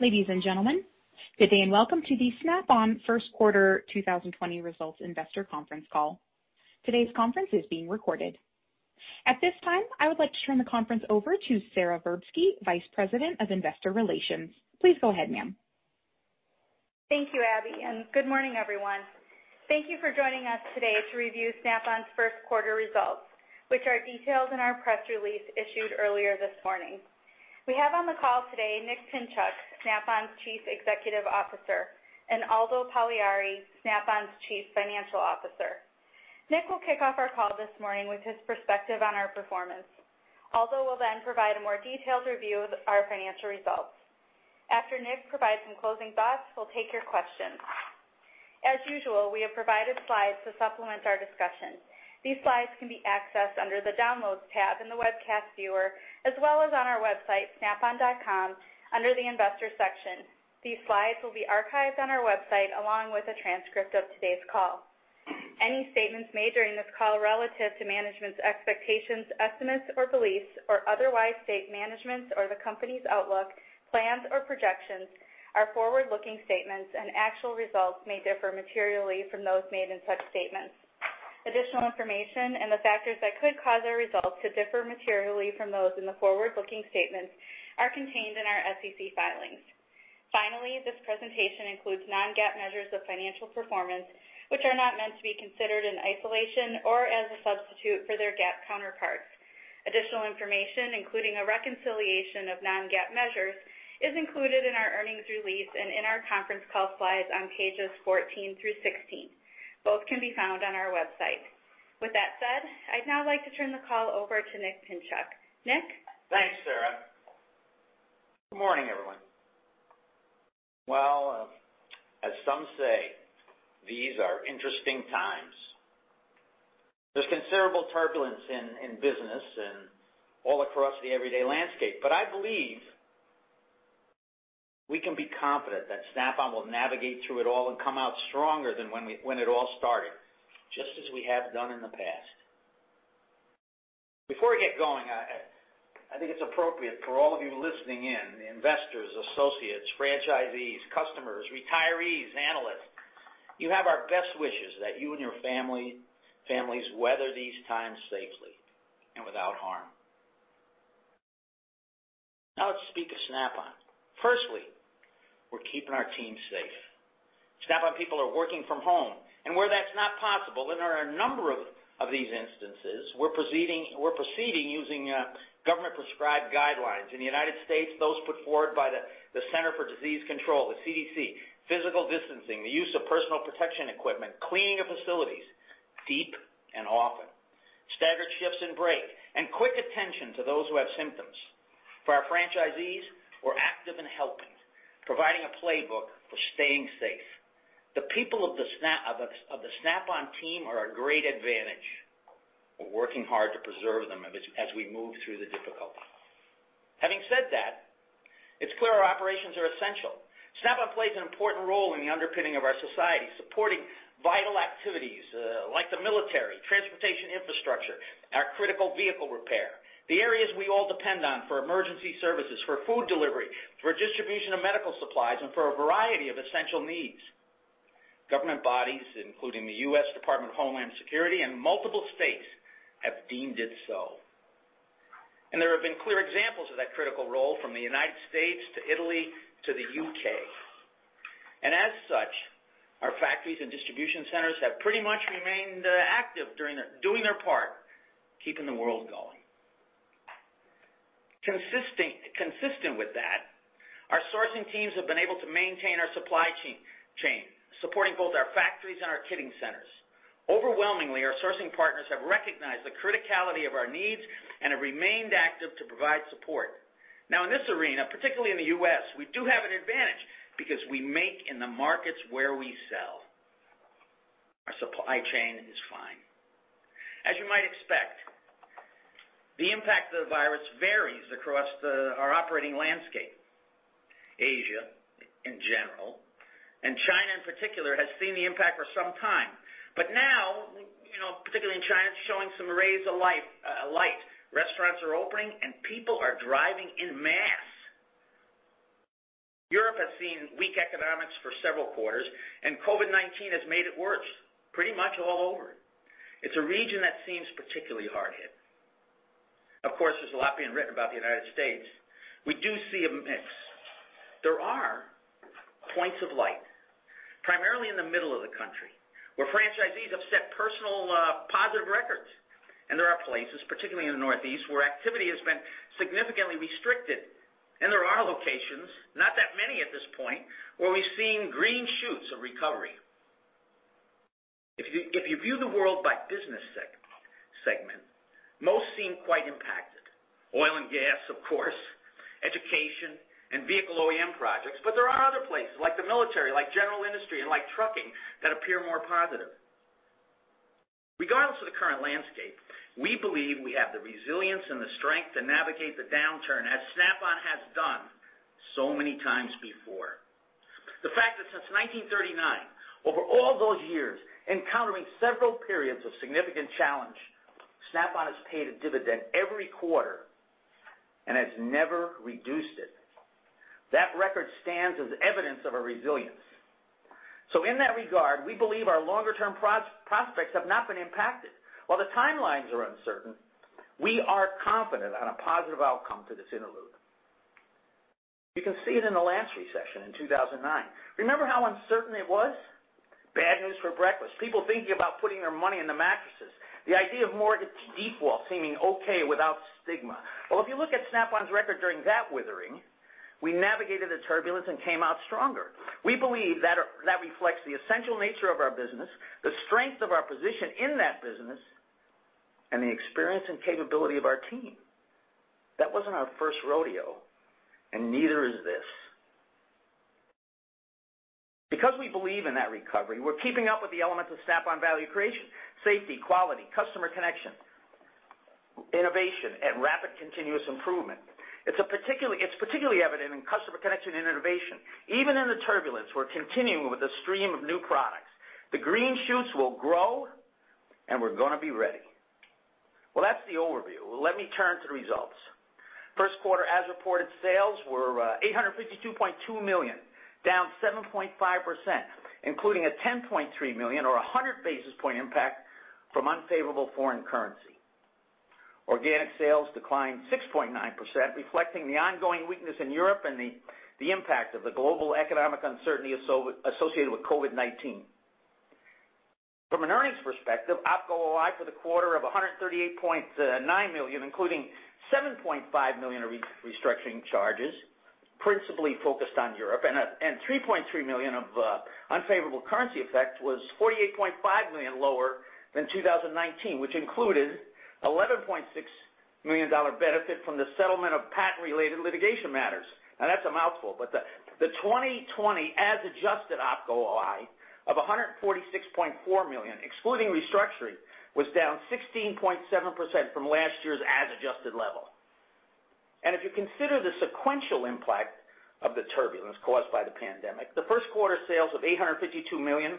Ladies and gentlemen, good day and welcome to the Snap-on Quarter 2020 Results Investor Conference Call. Today's conference is being recorded. At this time, I would like to turn the conference over to Sara Verbsky, Vice President of Investor Relations. Please go ahead, ma'am. Thank you, Abby, and good morning, everyone. Thank you for joining us today to review Snap-on's first quarter results, which are detailed in our press release issued earlier this morning. We have on the call today Nick Pinchuk, Snap-on's Chief Executive Officer, and Aldo Pagliari, Snap-on's Chief Financial Officer. Nick will kick off our call this morning with his perspective on our performance. Aldo will then provide a more detailed review of our financial results. After Nick provides some closing thoughts, we'll take your questions. As usual, we have provided slides to supplement our discussion. These slides can be accessed under the "Downloads tab" in the webcast viewer, as well as on our website, snap-on.com, under the Investor section. These slides will be archived on our website along with a transcript of today's call. Any statements made during this call relative to management's expectations, estimates, or beliefs, or otherwise state management's or the company's outlook, plans, or projections are forward-looking statements, and actual results may differ materially from those made in such statements. Additional information and the factors that could cause our results to differ materially from those in the forward-looking statements are contained in our SEC filings. Finally, this presentation includes non-GAAP measures of financial performance, which are not meant to be considered in isolation or as a substitute for their GAAP counterparts. Additional information, including a reconciliation of non-GAAP measures, is included in our earnings release and in our conference call slides on pages 14 through 16. Both can be found on our website. With that said, I'd now like to turn the call over to Nick Pinchuk. Nick? Thanks, Sara. Good morning, everyone. As some say, these are interesting times. There's considerable turbulence in business and all across the everyday landscape, but I believe we can be confident that Snap-on will navigate through it all and come out stronger than when it all started, just as we have done in the past. Before I get going, I think it's appropriate for all of you listening in, investors, associates, franchisees, customers, retirees, analysts, you have our best wishes that you and your families weather these times safely and without harm. Now, let's speak of Snap-on. Firstly, we're keeping our team safe. Snap-on people are working from home, and where that's not possible, and there are a number of these instances, we're proceeding using government-prescribed guidelines. In the United States, those put forward by the Centers for Disease Control, the CDC, physical distancing, the use of personal protection equipment, cleaning of facilities, deep and often, staggered shifts and break, and quick attention to those who have symptoms. For our franchisees, we're active in helping, providing a playbook for staying safe. The people of the Snap-on team are a great advantage. We're working hard to preserve them as we move through the difficulty. Having said that, it's clear our operations are essential. Snap-on plays an important role in the underpinning of our society, supporting vital activities like the military, transportation infrastructure, our critical vehicle repair, the areas we all depend on for emergency services, for food delivery, for distribution of medical supplies, and for a variety of essential needs. Government bodies, including the U.S. Department of Homeland Security and multiple states, have deemed it so. There have been clear examples of that critical role from the United States to Italy to the U.K. As such, our factories and distribution centers have pretty much remained active, doing their part, keeping the world going. Consistent with that, our sourcing teams have been able to maintain our supply chain, supporting both our factories and our kitting centers. Overwhelmingly, our sourcing partners have recognized the criticality of our needs and have remained active to provide support. Now, in this arena, particularly in the U.S., we do have an advantage because we make in the markets where we sell. Our supply chain is fine. As you might expect, the impact of the virus varies across our operating landscape. Asia, in general, and China in particular, has seen the impact for some time. Now, particularly in China, it is showing some rays of light. Restaurants are opening, and people are driving en masse. Europe has seen weak economics for several quarters, and COVID-19 has made it worse, pretty much all over. It is a region that seems particularly hard-hit. Of course, there is a lot being written about the United States. We do see a mix. There are points of light, primarily in the middle of the country, where franchisees have set personal positive records. There are places, particularly in the Northeast, where activity has been significantly restricted. There are locations, not that many at this point, where we have seen green shoots of recovery. If you view the world by business segment, most seem quite impacted. Oil and gas, of course, education, and vehicle OEM projects. There are other places, like the military, like general industry, and like trucking, that appear more positive. Regardless of the current landscape, we believe we have the resilience and the strength to navigate the downturn, as Snap-on has done so many times before. The fact that since 1939, over all those years, encountering several periods of significant challenge, Snap-on has paid a dividend every quarter and has never reduced it. That record stands as evidence of our resilience. In that regard, we believe our longer-term prospects have not been impacted. While the timelines are uncertain, we are confident on a positive outcome to this interlude. You can see it in the last recession in 2009. Remember how uncertain it was? Bad news for breakfast. People thinking about putting their money in the mattresses. The idea of mortgage default seeming okay without stigma. If you look at Snap-on's record during that withering, we navigated the turbulence and came out stronger. We believe that reflects the essential nature of our business, the strength of our position in that business, and the experience and capability of our team. That was not our first rodeo, and neither is this. Because we believe in that recovery, we are keeping up with the elements of Snap-on value creation: safety, quality, customer connection, innovation, and rapid continuous improvement. It is particularly evident in customer connection and innovation. Even in the turbulence, we are continuing with a stream of new products. The green shoots will grow, and we are going to be ready. That is the overview. Let me turn to the results. First quarter, as reported, sales were $852.2 million, down 7.5%, including a $10.3 million or 100 basis point impact from unfavorable foreign currency. Organic sales declined 6.9%, reflecting the ongoing weakness in Europe and the impact of the global economic uncertainty associated with COVID-19. From an earnings perspective, OPCO OI for the quarter of $138.9 million, including $7.5 million of restructuring charges, principally focused on Europe, and $3.3 million of unfavorable currency effect was $48.5 million lower than 2019, which included an $11.6 million benefit from the settlement of patent-related litigation matters. Now, that's a mouthful, but the 2020 as-adjusted OPCO OI of $146.4 million, excluding restructuring, was down 16.7% from last year's as-adjusted level. If you consider the sequential impact of the turbulence caused by the pandemic, the first quarter sales of $852 million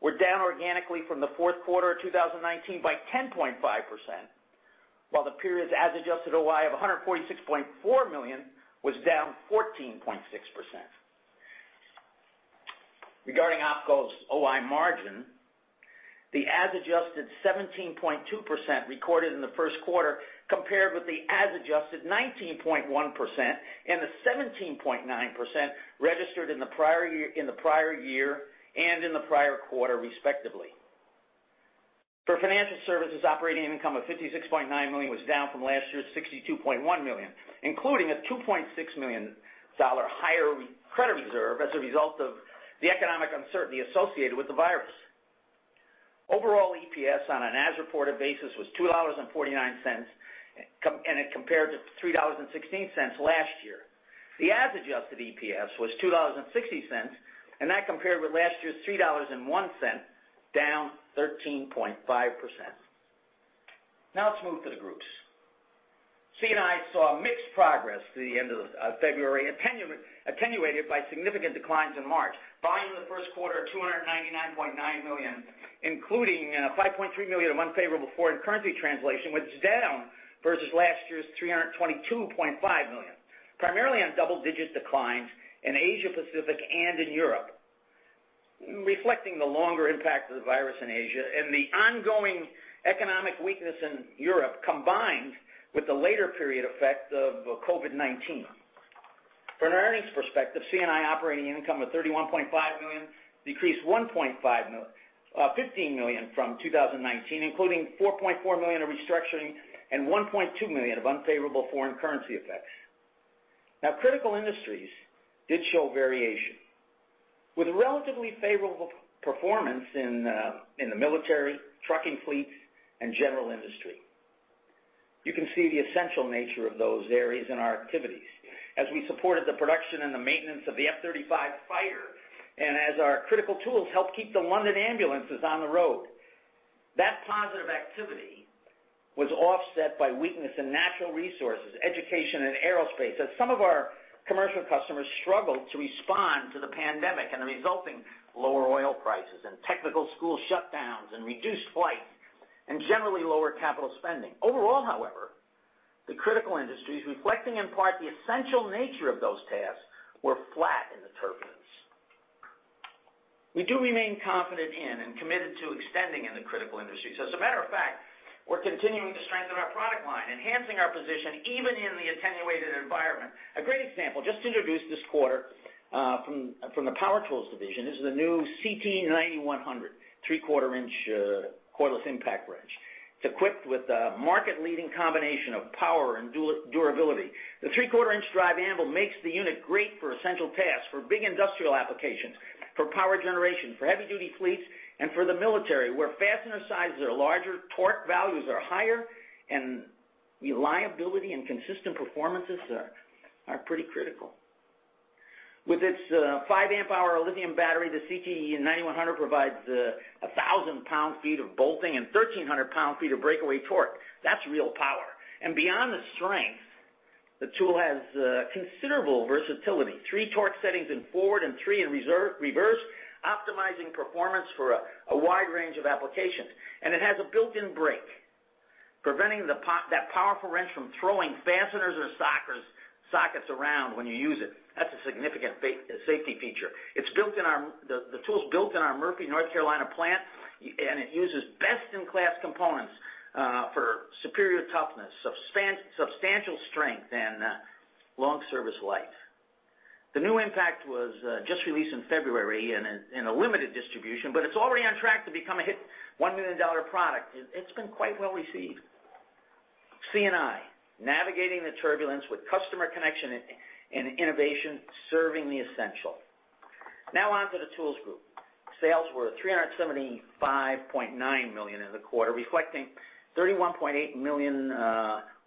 were down organically from the fourth quarter of 2019 by 10.5%, while the period's as-adjusted OI of $146.4 million was down 14.6%. Regarding OPCO's OI margin, the as-adjusted 17.2% recorded in the first quarter compared with the as-adjusted 19.1% and the 17.9% registered in the prior year and in the prior quarter, respectively. For financial services, operating income of $56.9 million was down from last year's $62.1 million, including a $2.6 million higher credit reserve as a result of the economic uncertainty associated with the virus. Overall EPS on an as-reported basis was $2.49 and it compared to $3.16 last year. The as-adjusted EPS was $2.60, and that compared with last year's $3.01, down 13.5%. Now, let's move to the groups. C&I saw mixed progress through the end of February, attenuated by significant declines in March. Volume in the first quarter of $299.9 million, including $5.3 million of unfavorable foreign currency translation, was down versus last year's $322.5 million, primarily on double-digit declines in Asia-Pacific and in Europe, reflecting the longer impact of the virus in Asia and the ongoing economic weakness in Europe combined with the later-period effect of COVID-19. From an earnings perspective, C&I operating income of $31.5 million decreased $1.15 million from 2019, including $4.4 million of restructuring and $1.2 million of unfavorable foreign currency effects. Now, critical industries did show variation, with relatively favorable performance in the military, trucking fleets, and general industry. You can see the essential nature of those areas in our activities as we supported the production and the maintenance of the F-35 fighter and as our critical tools helped keep the London ambulances on the road. That positive activity was offset by weakness in natural resources, education, and aerospace as some of our commercial customers struggled to respond to the pandemic and the resulting lower oil prices and technical school shutdowns and reduced flights and generally lower capital spending. Overall, however, the critical industries, reflecting in part the essential nature of those tasks, were flat in the turbulence. We do remain confident in and committed to extending in the critical industries. As a matter of fact, we're continuing to strengthen our product line, enhancing our position even in the attenuated environment. A great example, just introduced this quarter from the Power Tools division, is the new CT9100, three-quarter-inch cordless impact wrench. It's equipped with a market-leading combination of power and durability. The three-quarter-inch drive anvil makes the unit great for essential tasks, for big industrial applications, for power generation, for heavy-duty fleets, and for the military, where fastener sizes are larger, torque values are higher, and reliability and consistent performances are pretty critical. With its 5 amp-hour lithium battery, the CT9100 provides 1,000 pound-feet of bolting and 1,300 pound-feet of breakaway torque. That's real power. Beyond the strength, the tool has considerable versatility: three torque settings in forward and three in reverse, optimizing performance for a wide range of applications. It has a built-in brake, preventing that powerful wrench from throwing fasteners or sockets around when you use it. That is a significant safety feature. The tool is built in our Murphy, North Carolina, plant, and it uses best-in-class components for superior toughness, substantial strength, and long service life. The new impact was just released in February in a limited distribution, but it is already on track to become a hit $1 million product. It has been quite well received. C&I, navigating the turbulence with customer connection and innovation, serving the essential. Now, on to the tools group. Sales were $375.9 million in the quarter, reflecting $31.8 million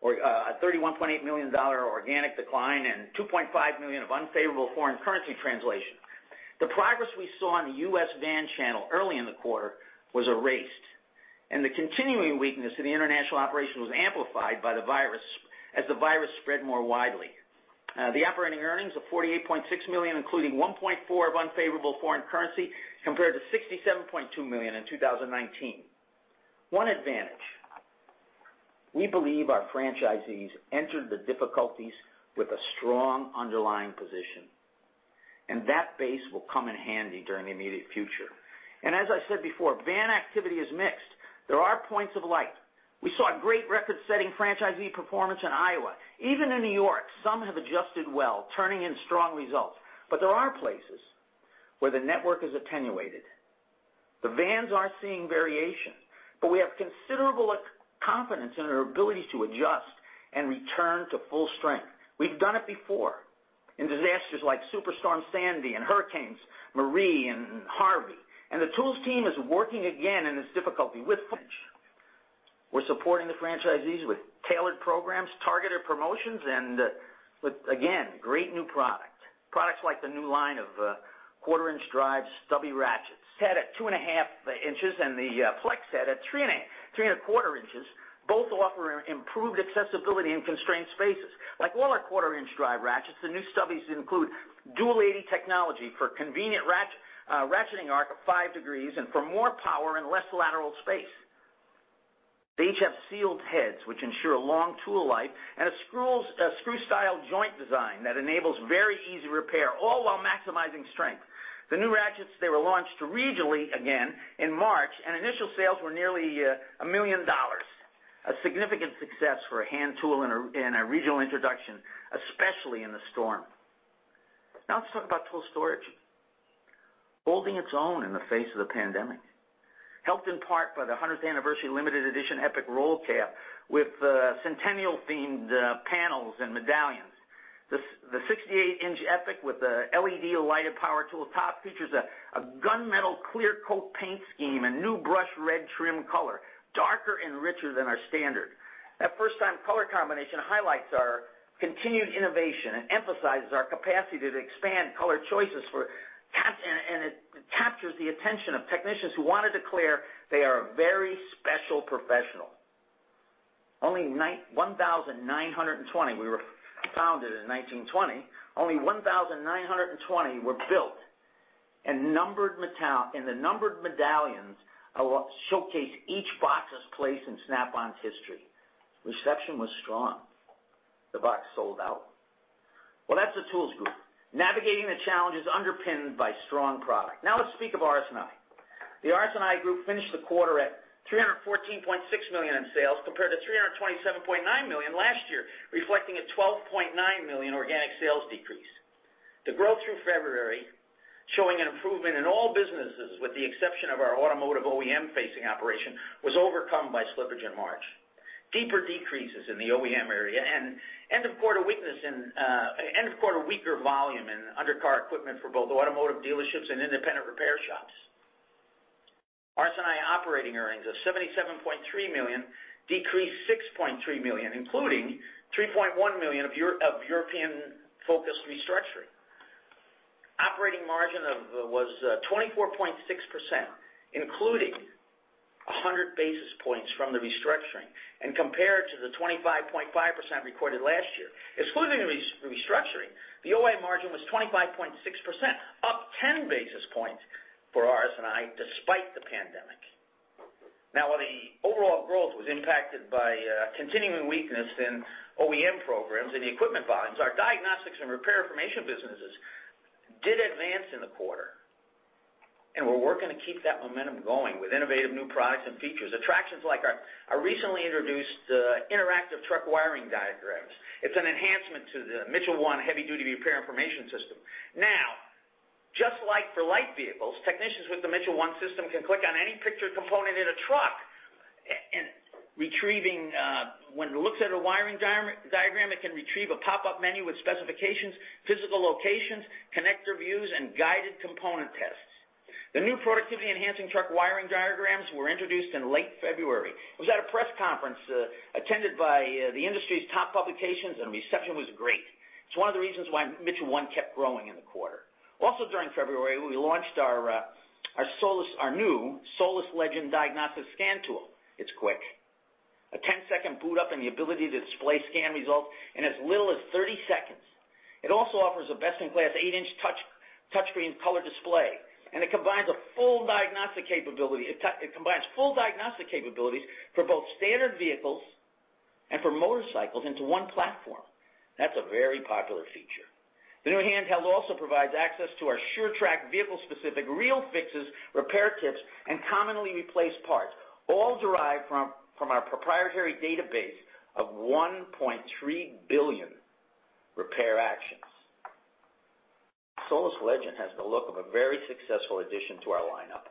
of organic decline and $2.5 million of unfavorable foreign currency translation. The progress we saw in the U.S. Van channel early in the quarter was erased, and the continuing weakness of the international operations was amplified by the virus as the virus spread more widely. The operating earnings of $48.6 million, including $1.4 million of unfavorable foreign currency, compared to $67.2 million in 2019. One advantage: we believe our franchisees entered the difficulties with a strong underlying position, and that base will come in handy during the immediate future. As I said before, van activity is mixed. There are points of light. We saw great record-setting franchisee performance in Iowa. Even in New York, some have adjusted well, turning in strong results. There are places where the network is attenuated. The vans are seeing variation, but we have considerable confidence in our ability to adjust and return to full strength. We've done it before in disasters like Superstorm Sandy and Hurricanes Marie and Harvey. The tools team is working again in this difficulty with Edge. We're supporting the franchisees with tailored programs, targeted promotions, and, again, great new products. Products like the new line of quarter-inch drive stubby ratchets, set at 2.5 inches and the flex set at 3.25 inches, both offer improved accessibility in constrained spaces. Like all our quarter-inch drive ratchets, the new stubbies include dual-80 technology for convenient ratcheting arc of five degrees and for more power and less lateral space. They each have sealed heads, which ensure long tool life, and a screw-style joint design that enables very easy repair, all while maximizing strength. The new ratchets, they were launched regionally again in March, and initial sales were nearly $1 million. A significant success for a hand tool in a regional introduction, especially in the storm. Now, let's talk about tool storage. Holding its own in the face of the pandemic, helped in part by the 100th anniversary limited edition Epic Roll Cab with centennial-themed panels and medallions. The 68-inch Epic with the LED lighted power tool top features a gunmetal clear coat paint scheme, a new brush red trim color, darker and richer than our standard. That first-time color combination highlights our continued innovation and emphasizes our capacity to expand color choices and captures the attention of technicians who want to declare they are a very special professional. Only 1,920—we were founded in 1920—only 1,920 were built, and the numbered medallions showcase each box's place in Snap-on's history. Reception was strong. The box sold out. The tools group, navigating the challenges underpinned by strong product. Now, let's speak of RS&I. The RS&I group finished the quarter at $314.6 million in sales, compared to $327.9 million last year, reflecting a $12.9 million organic sales decrease. The growth through February, showing an improvement in all businesses with the exception of our automotive OEM-facing operation, was overcome by slippage in March. Deeper decreases in the OEM area and end-of-quarter weaker volume in undercar equipment for both automotive dealerships and independent repair shops. RS&I operating earnings of $77.3 million decreased $6.3 million, including $3.1 million of European-focused restructuring. Operating margin was 24.6%, including 100 basis points from the restructuring, and compared to the 25.5% recorded last year. Excluding the restructuring, the OA margin was 25.6%, up 10 basis points for RS&I despite the pandemic. Now, while the overall growth was impacted by continuing weakness in OEM programs and the equipment volumes, our diagnostics and repair information businesses did advance in the quarter and were working to keep that momentum going with innovative new products and features. Attractions like our recently introduced interactive truck wiring diagrams. It is an enhancement to the Mitchell 1 heavy-duty repair information system. Now, just like for light vehicles, technicians with the Mitchell 1 system can click on any pictured component in a truck and retrieve—when it looks at a wiring diagram, it can retrieve a pop-up menu with specifications, physical locations, connector views, and guided component tests. The new productivity-enhancing truck wiring diagrams were introduced in late February. It was at a press conference attended by the industry's top publications, and the reception was great. It is one of the reasons why Mitchell 1 kept growing in the quarter. Also, during February, we launched our new Solus Legend diagnostic scan tool. It's quick, a 10-second boot-up, and the ability to display scan results in as little as 30 seconds. It also offers a best-in-class eight-inch touchscreen color display, and it combines full diagnostic capabilities for both standard vehicles and for motorcycles into one platform. That's a very popular feature. The new handheld also provides access to our SureTrack vehicle-specific real fixes, repair tips, and commonly replaced parts, all derived from our proprietary database of 1.3 billion repair actions. Solus Legend has the look of a very successful addition to our lineup.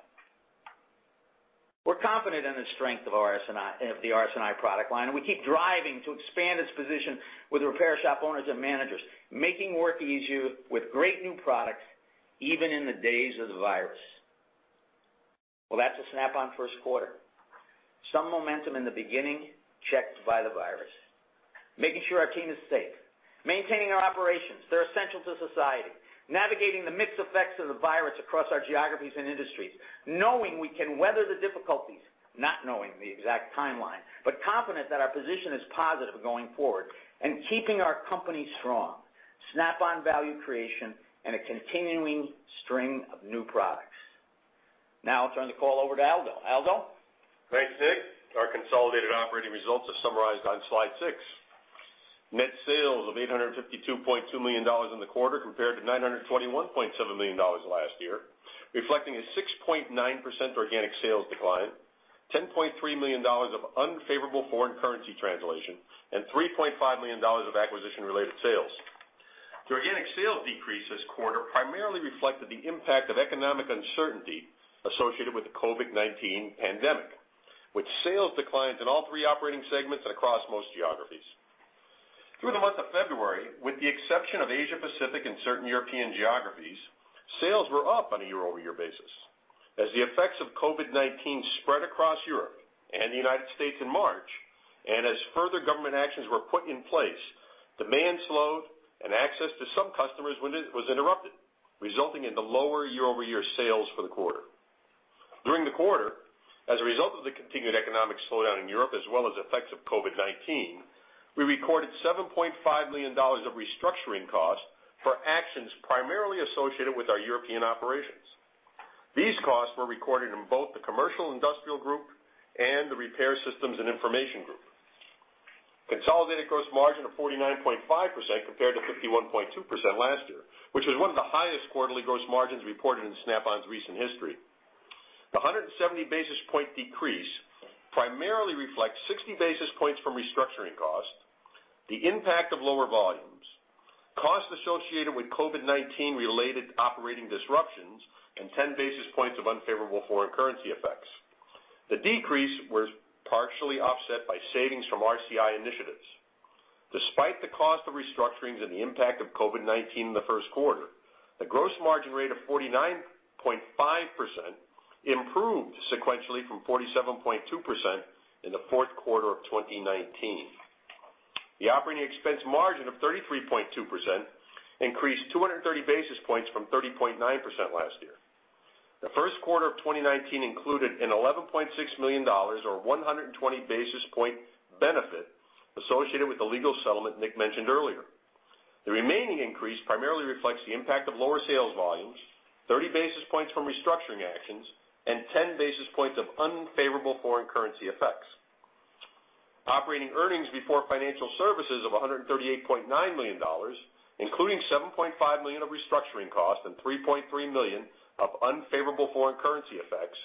We're confident in the strength of the RS&I product line, and we keep driving to expand its position with repair shop owners and managers, making work easier with great new products even in the days of the virus. That is a Snap-on first quarter. Some momentum in the beginning checked by the virus. Making sure our team is safe, maintaining our operations, they're essential to society, navigating the mixed effects of the virus across our geographies and industries, knowing we can weather the difficulties, not knowing the exact timeline, but confident that our position is positive going forward and keeping our company strong. Snap-on value creation and a continuing string of new products. Now, I'll turn the call over to Aldo. Aldo? Great, Nick. Our consolidated operating results are summarized on slide six. Net sales of $852.2 million in the quarter compared to $921.7 million last year, reflecting a 6.9% organic sales decline, $10.3 million of unfavorable foreign currency translation, and $3.5 million of acquisition-related sales. The organic sales decrease this quarter primarily reflected the impact of economic uncertainty associated with the COVID-19 pandemic, with sales declines in all three operating segments and across most geographies. Through the month of February, with the exception of Asia-Pacific and certain European geographies, sales were up on a year-over-year basis. As the effects of COVID-19 spread across Europe and the United States in March, and as further government actions were put in place, demand slowed and access to some customers was interrupted, resulting in the lower year-over-year sales for the quarter. During the quarter, as a result of the continued economic slowdown in Europe as well as effects of COVID-19, we recorded $7.5 million of restructuring costs for actions primarily associated with our European operations. These costs were recorded in both the commercial industrial group and the repair systems and information group. Consolidated gross margin of 49.5% compared to 51.2% last year, which was one of the highest quarterly gross margins reported in Snap-on's recent history. The 170 basis point decrease primarily reflects 60 basis points from restructuring cost, the impact of lower volumes, costs associated with COVID-19-related operating disruptions, and 10 basis points of unfavorable foreign currency effects. The decrease was partially offset by savings from RCI initiatives. Despite the cost of restructurings and the impact of COVID-19 in the first quarter, the gross margin rate of 49.5% improved sequentially from 47.2% in the fourth quarter of 2019. The operating expense margin of 33.2% increased 230 basis points from 30.9% last year. The first quarter of 2019 included an $11.6 million or 120 basis point benefit associated with the legal settlement Nick mentioned earlier. The remaining increase primarily reflects the impact of lower sales volumes, 30 basis points from restructuring actions, and 10 basis points of unfavorable foreign currency effects. Operating earnings before financial services of $138.9 million, including $7.5 million of restructuring cost and $3.3 million of unfavorable foreign currency effects,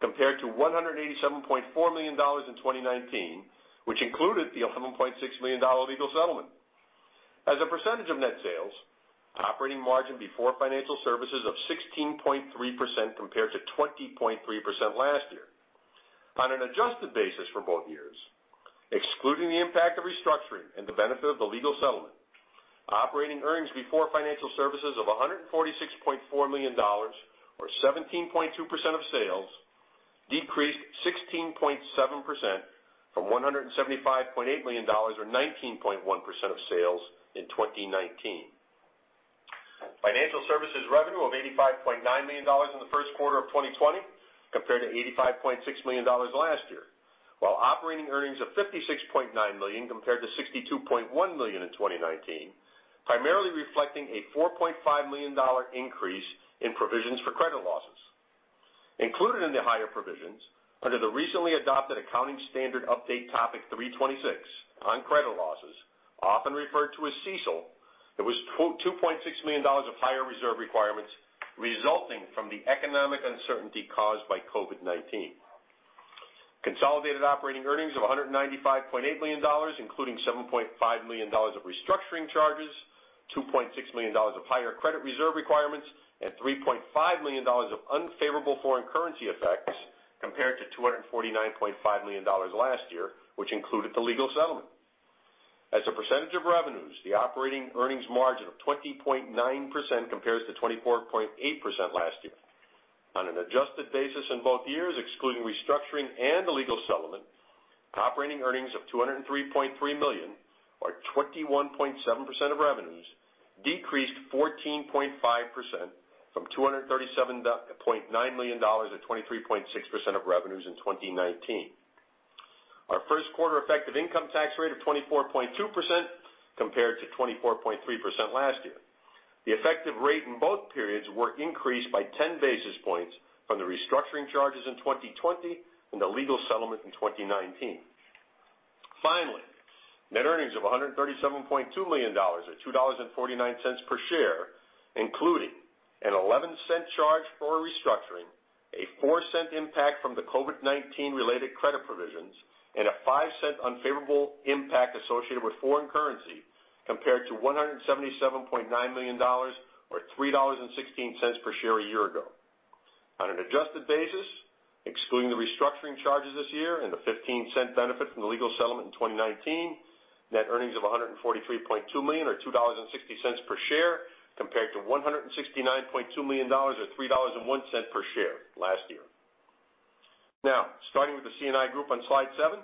compared to $187.4 million in 2019, which included the $11.6 million legal settlement. As a percentage of net sales, operating margin before financial services of 16.3% compared to 20.3% last year. On an adjusted basis for both years, excluding the impact of restructuring and the benefit of the legal settlement, operating earnings before financial services of $146.4 million or 17.2% of sales decreased 16.7% from $175.8 million or 19.1% of sales in 2019. Financial services revenue of $85.9 million in the first quarter of 2020 compared to $85.6 million last year, while operating earnings of $56.9 million compared to $62.1 million in 2019, primarily reflecting a $4.5 million increase in provisions for credit losses. Included in the higher provisions under the recently adopted accounting standard update topic 326 on credit losses, often referred to as CECL, it was $2.6 million of higher reserve requirements resulting from the economic uncertainty caused by COVID-19. Consolidated operating earnings of $195.8 million, including $7.5 million of restructuring charges, $2.6 million of higher credit reserve requirements, and $3.5 million of unfavorable foreign currency effects compared to $249.5 million last year, which included the legal settlement. As a percentage of revenues, the operating earnings margin of 20.9% compares to 24.8% last year. On an adjusted basis in both years, excluding restructuring and the legal settlement, operating earnings of $203.3 million or 21.7% of revenues decreased 14.5% from $237.9 million or 23.6% of revenues in 2019. Our first quarter effective income tax rate of 24.2% compared to 24.3% last year. The effective rate in both periods was increased by 10 basis points from the restructuring charges in 2020 and the legal settlement in 2019. Finally, net earnings of $137.2 million or $2.49 per share, including an $0.11 charge for restructuring, a $0.04 impact from the COVID-19-related credit provisions, and a $0.05 unfavorable impact associated with foreign currency compared to $177.9 million or $3.16 per share a year ago. On an adjusted basis, excluding the restructuring charges this year and the $0.15 benefit from the legal settlement in 2019, net earnings of $143.2 million or $2.60 per share compared to $169.2 million or $3.01 per share last year. Now, starting with the C&I group on slide seven,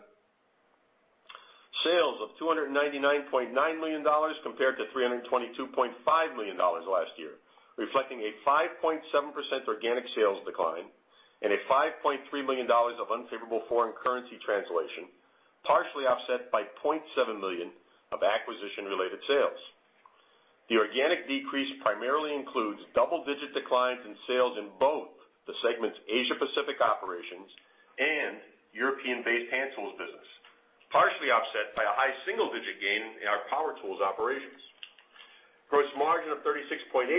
sales of $299.9 million compared to $322.5 million last year, reflecting a 5.7% organic sales decline and a $5.3 million of unfavorable foreign currency translation, partially offset by $0.7 million of acquisition-related sales. The organic decrease primarily includes double-digit declines in sales in both the segment's Asia-Pacific operations and European-based hand tools business, partially offset by a high single-digit gain in our power tools operations. Gross margin of 36.8%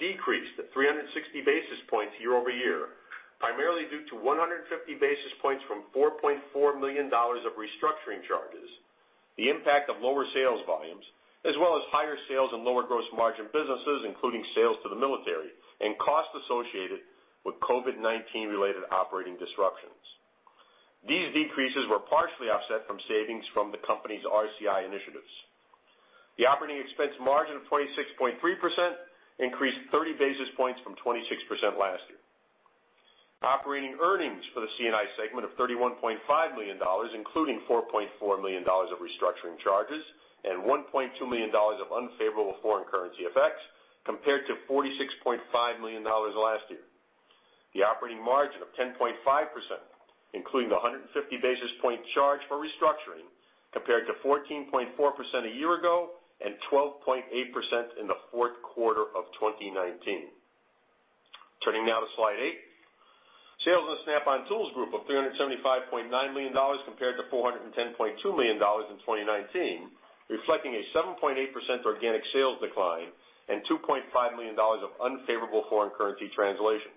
decreased 360 basis points year-over-year, primarily due to 150 basis points from $4.4 million of restructuring charges, the impact of lower sales volumes, as well as higher sales and lower gross margin businesses, including sales to the military and costs associated with COVID-19-related operating disruptions. These decreases were partially offset from savings from the company's RCI initiatives. The operating expense margin of 26.3% increased 30 basis points from 26% last year. Operating earnings for the C&I segment of $31.5 million, including $4.4 million of restructuring charges and $1.2 million of unfavorable foreign currency effects, compared to $46.5 million last year. The operating margin of 10.5%, including the 150 basis point charge for restructuring, compared to 14.4% a year ago and 12.8% in the fourth quarter of 2019. Turning now to slide eight, sales in the Snap-on Tools group of $375.9 million compared to $410.2 million in 2019, reflecting a 7.8% organic sales decline and $2.5 million of unfavorable foreign currency translation.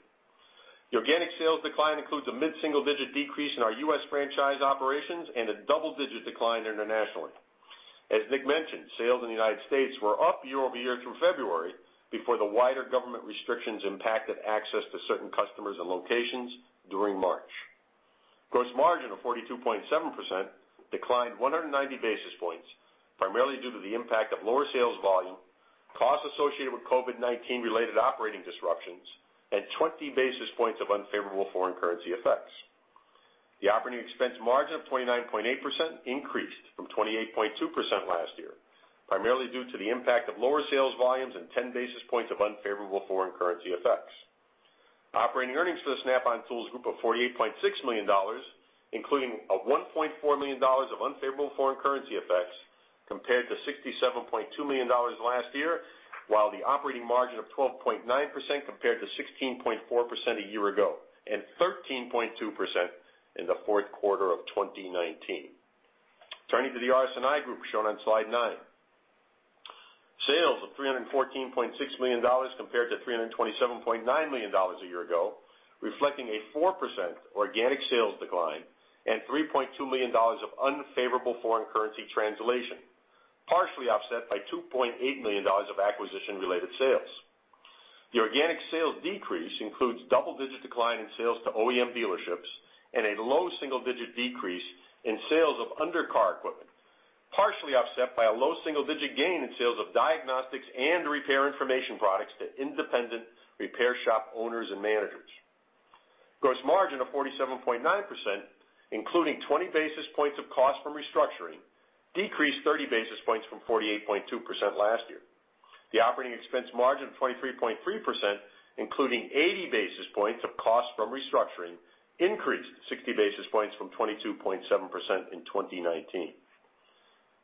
The organic sales decline includes a mid-single-digit decrease in our U.S. franchise operations and a double-digit decline internationally. As Nick mentioned, sales in the United States were up year-over-year through February before the wider government restrictions impacted access to certain customers and locations during March. Gross margin of 42.7% declined 190 basis points, primarily due to the impact of lower sales volume, costs associated with COVID-19-related operating disruptions, and 20 basis points of unfavorable foreign currency effects. The operating expense margin of 29.8% increased from 28.2% last year, primarily due to the impact of lower sales volumes and 10 basis points of unfavorable foreign currency effects. Operating earnings for the Snap-on Tools group of $48.6 million, including $1.4 million of unfavorable foreign currency effects, compared to $67.2 million last year, while the operating margin of 12.9% compared to 16.4% a year ago and 13.2% in the fourth quarter of 2019. Turning to the RS&I group shown on slide nine, sales of $314.6 million compared to $327.9 million a year ago, reflecting a 4% organic sales decline and $3.2 million of unfavorable foreign currency translation, partially offset by $2.8 million of acquisition-related sales. The organic sales decrease includes double-digit decline in sales to OEM dealerships and a low single-digit decrease in sales of undercar equipment, partially offset by a low single-digit gain in sales of diagnostics and repair information products to independent repair shop owners and managers. Gross margin of 47.9%, including 20 basis points of cost from restructuring, decreased 30 basis points from 48.2% last year. The operating expense margin of 23.3%, including 80 basis points of cost from restructuring, increased 60 basis points from 22.7% in 2019.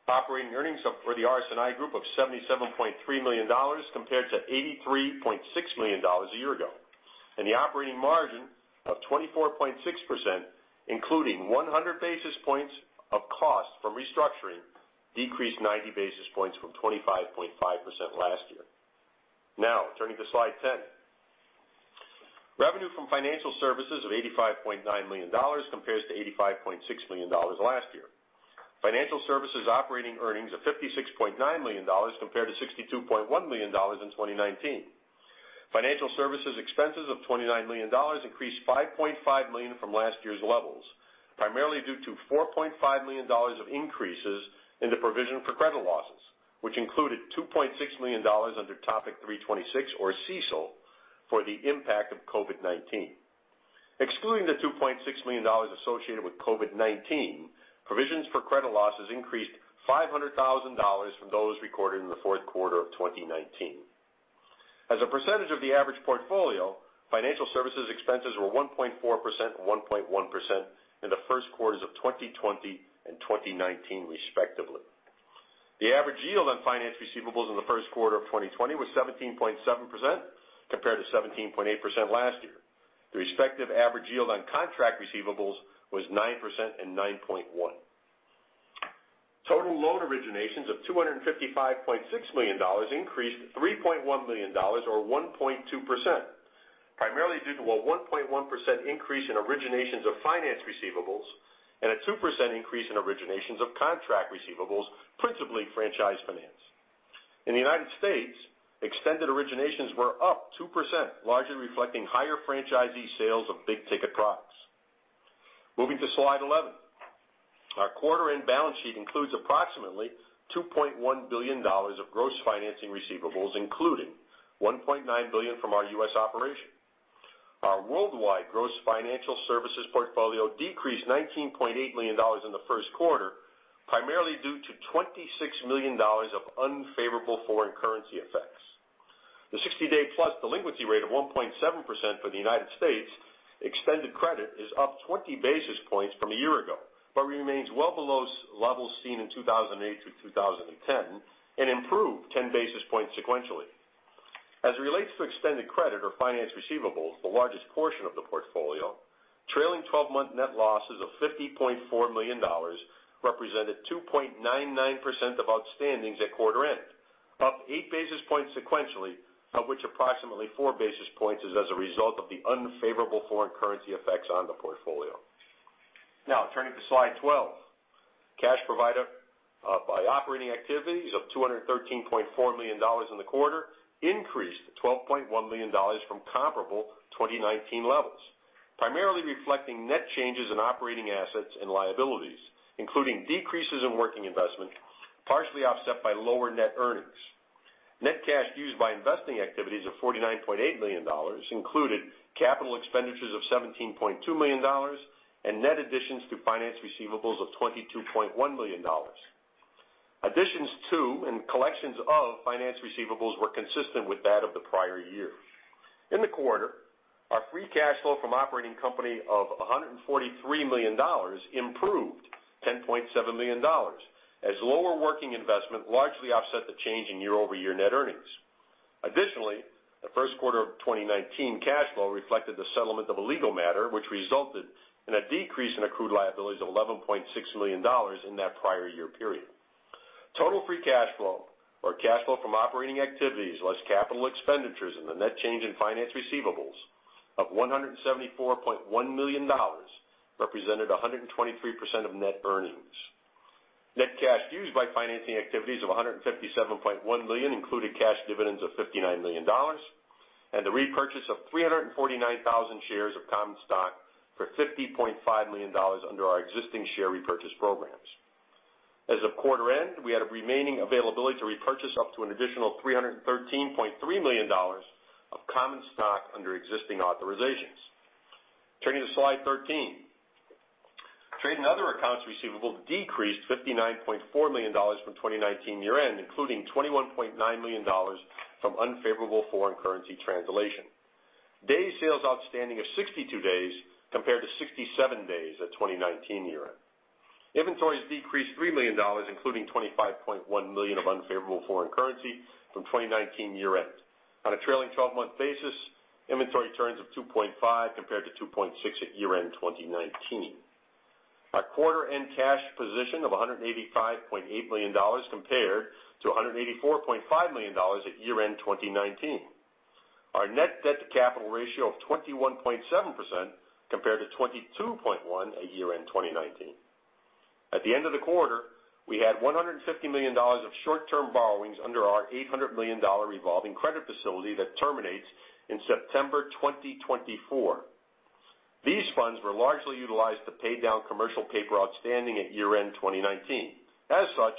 Operating earnings for the RS&I group of $77.3 million compared to $83.6 million a year ago, and the operating margin of 24.6%, including 100 basis points of cost from restructuring, decreased 90 basis points from 25.5% last year. Now, turning to slide 10, revenue from financial services of $85.9 million compares to $85.6 million last year. Financial services operating earnings of $56.9 million compared to $62.1 million in 2019. Financial services expenses of $29 million increased $5.5 million from last year's levels, primarily due to $4.5 million of increases in the provision for credit losses, which included $2.6 million under topic 326 or CECL for the impact of COVID-19. Excluding the $2.6 million associated with COVID-19, provisions for credit losses increased $500,000 from those recorded in the fourth quarter of 2019. As a percentage of the average portfolio, financial services expenses were 1.4% and 1.1% in the first quarters of 2020 and 2019, respectively. The average yield on finance receivables in the first quarter of 2020 was 17.7% compared to 17.8% last year. The respective average yield on contract receivables was 9% and 9.1%. Total loan originations of $255.6 million increased $3.1 million or 1.2%, primarily due to a 1.1% increase in originations of finance receivables and a 2% increase in originations of contract receivables principally franchise finance. In the U.S., extended originations were up 2%, largely reflecting higher franchisee sales of big-ticket products. Moving to slide 11, our quarter-end balance sheet includes approximately $2.1 billion of gross financing receivables, including $1.9 billion from our U.S. operation. Our worldwide gross financial services portfolio decreased $19.8 million in the first quarter, primarily due to $26 million of unfavorable foreign currency effects. The 60-day plus delinquency rate of 1.7% for the U.S. extended credit is up 20 basis points from a year ago, but remains well below levels seen in 2008 through 2010 and improved 10 basis points sequentially. As it relates to extended credit or finance receivables, the largest portion of the portfolio, trailing 12-month net losses of $50.4 million represented 2.99% of outstandings at quarter-end, up 8 basis points sequentially, of which approximately 4 basis points is as a result of the unfavorable foreign currency effects on the portfolio. Now, turning to slide 12, cash provided by operating activities of $213.4 million in the quarter increased $12.1 million from comparable 2019 levels, primarily reflecting net changes in operating assets and liabilities, including decreases in working investment, partially offset by lower net earnings. Net cash used by investing activities of $49.8 million included capital expenditures of $17.2 million and net additions to finance receivables of $22.1 million. Additions to and collections of finance receivables were consistent with that of the prior year. In the quarter, our free cash flow from operating company of $143 million improved $10.7 million as lower working investment largely offset the change in year-over-year net earnings. Additionally, the first quarter of 2019 cash flow reflected the settlement of a legal matter, which resulted in a decrease in accrued liabilities of $11.6 million in that prior year period. Total free cash flow, or cash flow from operating activities less capital expenditures and the net change in finance receivables of $174.1 million, represented 123% of net earnings. Net cash used by financing activities of $157.1 million included cash dividends of $59 million and the repurchase of 349,000 shares of common stock for $50.5 million under our existing share repurchase programs. As of quarter-end, we had a remaining availability to repurchase up to an additional $313.3 million of common stock under existing authorizations. Turning to slide 13, trade and other accounts receivable decreased $59.4 million from 2019 year-end, including $21.9 million from unfavorable foreign currency translation. Day sales outstanding of 62 days compared to 67 days at 2019 year-end. Inventories decreased $3 million, including $25.1 million of unfavorable foreign currency from 2019 year-end. On a trailing 12-month basis, inventory turns of 2.5 compared to 2.6 at year-end 2019. Our quarter-end cash position of $185.8 million compared to $184.5 million at year-end 2019. Our net debt-to-capital ratio of 21.7% compared to 22.1% at year-end 2019. At the end of the quarter, we had $150 million of short-term borrowings under our $800 million revolving credit facility that terminates in September 2024. These funds were largely utilized to pay down commercial paper outstanding at year-end 2019. As such,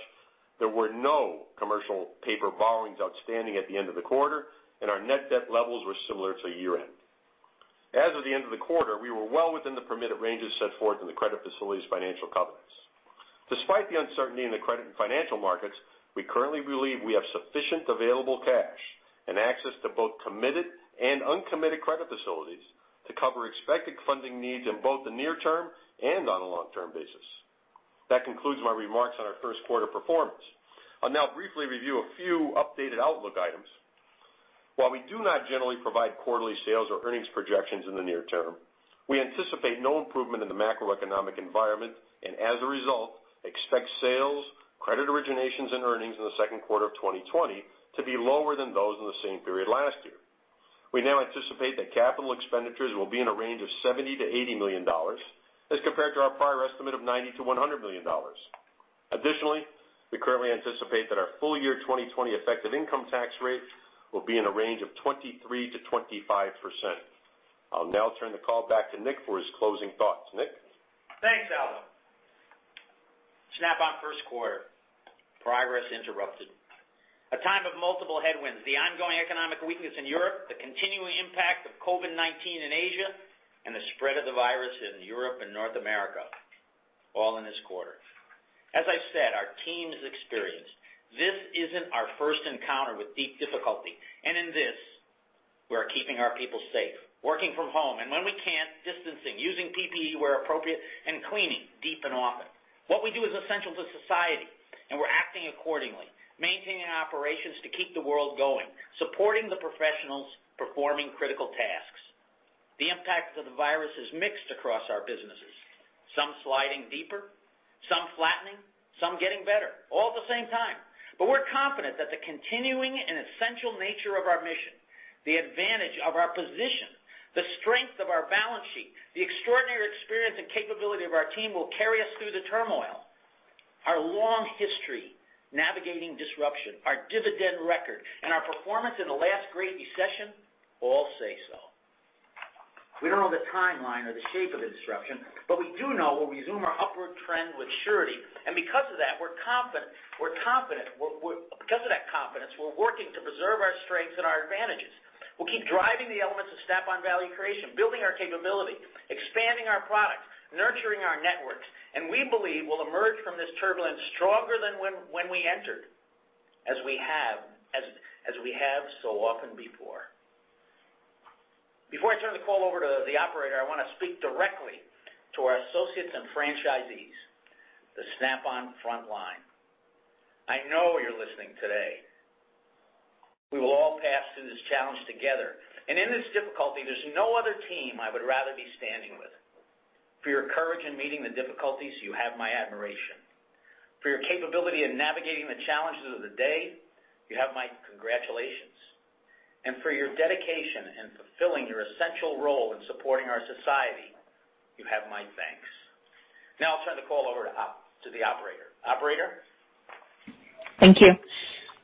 there were no commercial paper borrowings outstanding at the end of the quarter, and our net debt levels were similar to year-end. As of the end of the quarter, we were well within the permitted ranges set forth in the credit facilities financial covenants. Despite the uncertainty in the credit and financial markets, we currently believe we have sufficient available cash and access to both committed and uncommitted credit facilities to cover expected funding needs in both the near term and on a long-term basis. That concludes my remarks on our first quarter performance. I'll now briefly review a few updated outlook items. While we do not generally provide quarterly sales or earnings projections in the near term, we anticipate no improvement in the macroeconomic environment and, as a result, expect sales, credit originations, and earnings in the second quarter of 2020 to be lower than those in the same period last year. We now anticipate that capital expenditures will be in a range of $70 million-$80 million as compared to our prior estimate of $90million-$100 million. Additionally, we currently anticipate that our full year 2020 effective income tax rate will be in a range of 23%-25%. I'll now turn the call back to Nick for his closing thoughts. Nick? Thanks, Aldo. Snap-on first quarter. Progress interrupted. A time of multiple headwinds: the ongoing economic weakness in Europe, the continuing impact of COVID-19 in Asia, and the spread of the virus in Europe and North America, all in this quarter. As I've said, our team's experience, this isn't our first encounter with deep difficulty, and in this, we're keeping our people safe, working from home, and when we can't, distancing, using PPE where appropriate, and cleaning deep and often. What we do is essential to society, and we're acting accordingly, maintaining operations to keep the world going, supporting the professionals performing critical tasks. The impact of the virus is mixed across our businesses, some sliding deeper, some flattening, some getting better, all at the same time. We are confident that the continuing and essential nature of our mission, the advantage of our position, the strength of our balance sheet, the extraordinary experience and capability of our team will carry us through the turmoil. Our long history navigating disruption, our dividend record, and our performance in the last great recession all say so. We do not know the timeline or the shape of the disruption, but we do know we will resume our upward trend with surety, and because of that, we are confident. Because of that confidence, we are working to preserve our strengths and our advantages. We'll keep driving the elements of Snap-on value creation, building our capability, expanding our products, nurturing our networks, and we believe we'll emerge from this turbulence stronger than when we entered, as we have so often before. Before I turn the call over to the operator, I want to speak directly to our associates and franchisees, the Snap-on frontline. I know you're listening today. We will all pass through this challenge together, and in this difficulty, there's no other team I would rather be standing with. For your courage in meeting the difficulties, you have my admiration. For your capability in navigating the challenges of the day, you have my congratulations. For your dedication in fulfilling your essential role in supporting our society, you have my thanks. Now I'll turn the call over to the operator. Operator? Thank you.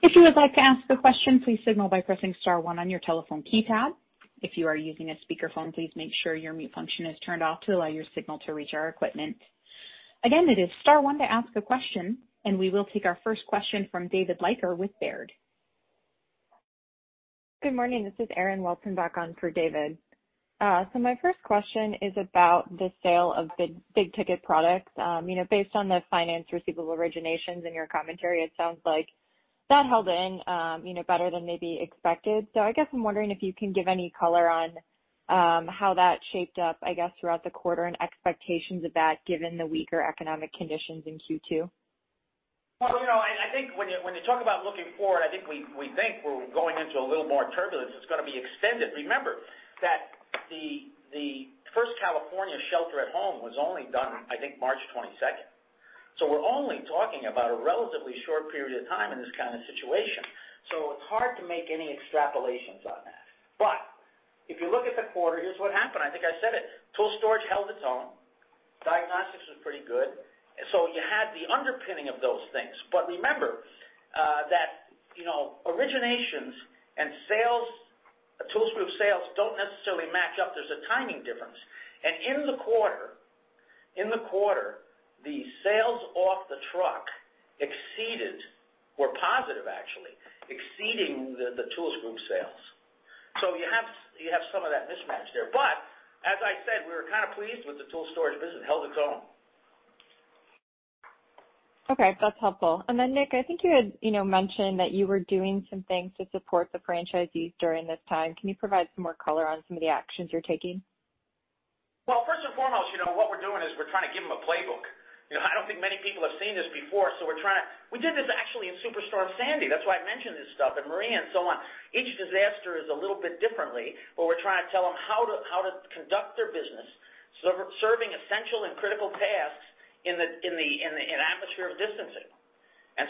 If you would like to ask a question, please signal by pressing star one on your telephone keypad. If you are using a speakerphone, please make sure your mute function is turned off to allow your signal to reach our equipment. Again, it is star one to ask a question, and we will take our first question from David Leiker with Baird. Good morning. This is Erin Welton back on for David. My first question is about the sale of big-ticket products. Based on the finance receivable originations and your commentary, it sounds like that held in better than maybe expected. I guess I am wondering if you can give any color on how that shaped up throughout the quarter and expectations of that given the weaker economic conditions in Q2. I think when you talk about looking forward, I think we think we're going into a little more turbulence. It's going to be extended. Remember that the first California shelter-at-home was only done, I think, March 22nd. We are only talking about a relatively short period of time in this kind of situation. It's hard to make any extrapolations on that. If you look at the quarter, here's what happened. I think I said it. Tool storage held its own. Diagnostics was pretty good. You had the underpinning of those things. Remember that originations and sales, a tool sales group sales do not necessarily match up. There's a timing difference. In the quarter, the sales off the truck were positive, actually, exceeding the tool sales group sales. You have some of that mismatch there. As I said, we were kind of pleased with the tool storage business. It held its own. Okay. That's helpful. Nick, I think you had mentioned that you were doing some things to support the franchisees during this time. Can you provide some more color on some of the actions you're taking? First and foremost, what we're doing is we're trying to give them a playbook. I don't think many people have seen this before, so we're trying to—we did this actually in Superstorm Sandy. That's why I mentioned this stuff and Maria and so on. Each disaster is a little bit different, but we're trying to tell them how to conduct their business, serving essential and critical tasks in an atmosphere of distancing.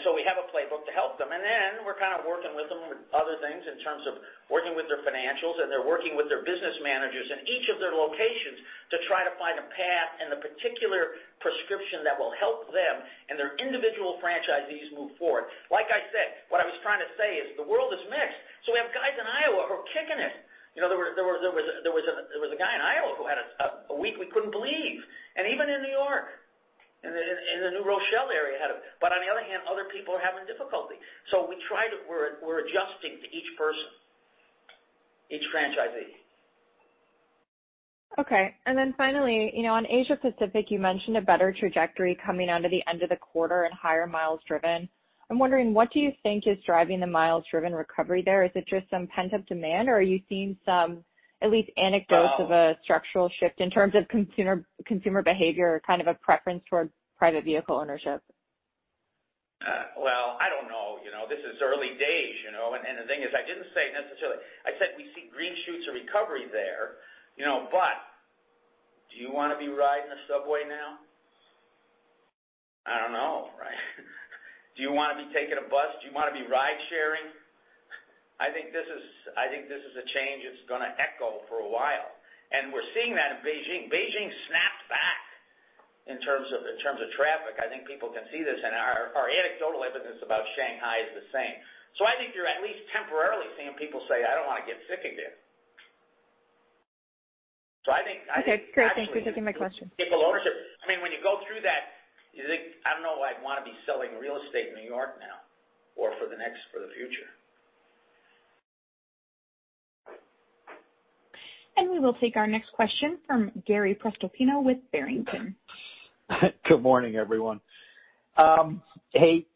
We have a playbook to help them. We are kind of working with them with other things in terms of working with their financials, and they are working with their business managers in each of their locations to try to find a path and a particular prescription that will help them and their individual franchisees move forward. Like I said, what I was trying to say is the world is mixed. We have guys in Iowa who are kicking it. There was a guy in Iowa who had a week we could not believe. Even in New York, in the New Rochelle area, had a—but on the other hand, other people are having difficulty. We try to—we are adjusting to each person, each franchisee. Okay. Finally, on Asia-Pacific, you mentioned a better trajectory coming on to the end of the quarter and higher miles driven. I'm wondering, what do you think is driving the miles driven recovery there? Is it just some pent-up demand, or are you seeing some at least anecdotes of a structural shift in terms of consumer behavior, kind of a preference toward private vehicle ownership? I don't know. This is early days. The thing is, I didn't say necessarily—I said we see green shoots of recovery there. Do you want to be riding the subway now? I don't know. Right? Do you want to be taking a bus? Do you want to be ridesharing? I think this is a change that's going to echo for a while. We're seeing that in Beijing. Beijing snapped back in terms of traffic. I think people can see this. Our anecdotal evidence about Shanghai is the same. I think you're at least temporarily seeing people say, "I don't want to get sick again." I think Okay. Great. Thank you for taking my question. people ownership. I mean, when you go through that, you think, "I don't know why I'd want to be selling real estate in New York now or for the future." We will take our next question from Gary Prestopino with Barrington. Good morning, everyone. Hey,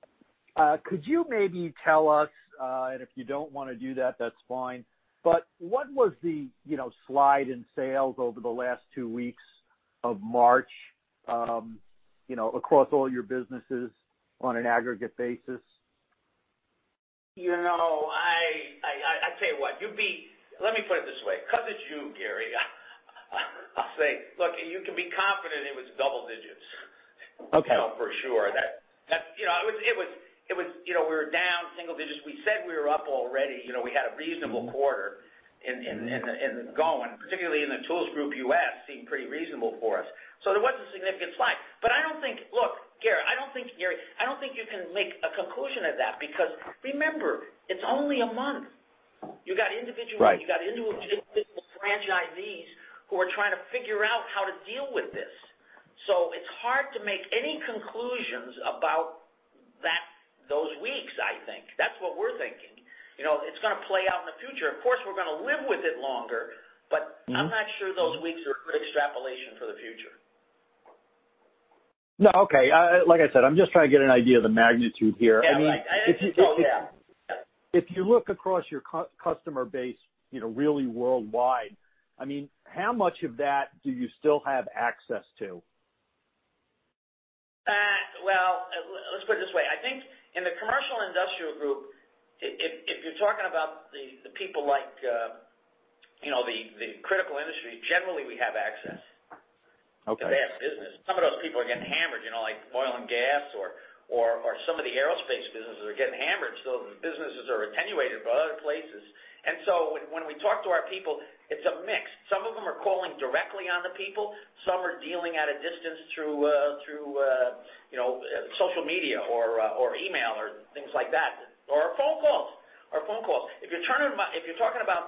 could you maybe tell us—and if you don't want to do that, that's fine—but what was the slide in sales over the last two weeks of March across all your businesses on an aggregate basis? I tell you what, you'd be—let me put it this way. Because it's you, Gary, I'll say, look, you can be confident it was double digits, for sure. It was—we were down single digits. We said we were up already. We had a reasonable quarter in the going, particularly in the tools group US, seemed pretty reasonable for us. There was a significant slide. I do not think—look, Gary, I do not think you can make a conclusion of that because, remember, it is only a month. You got individual Right. You got individual franchisees who are trying to figure out how to deal with this. It is hard to make any conclusions about those weeks, I think. That is what we are thinking. It is going to play out in the future. Of course, we are going to live with it longer, but I am not sure those weeks are a good extrapolation for the future. No, okay. Like I said, I am just trying to get an idea of the magnitude here. I mean, if you—yeah. If you look across your customer base really worldwide, I mean, how much of that do you still have access to? Let’s put it this way. I think in the commercial industrial group, if you’re talking about the people like the critical industries, generally, we have access. They have business. Some of those people are getting hammered, like oil and gas or some of the aerospace businesses are getting hammered. The businesses are attenuated by other places. When we talk to our people, it’s a mix. Some of them are calling directly on the people. Some are dealing at a distance through social media or email or things like that or phone calls. If you’re talking about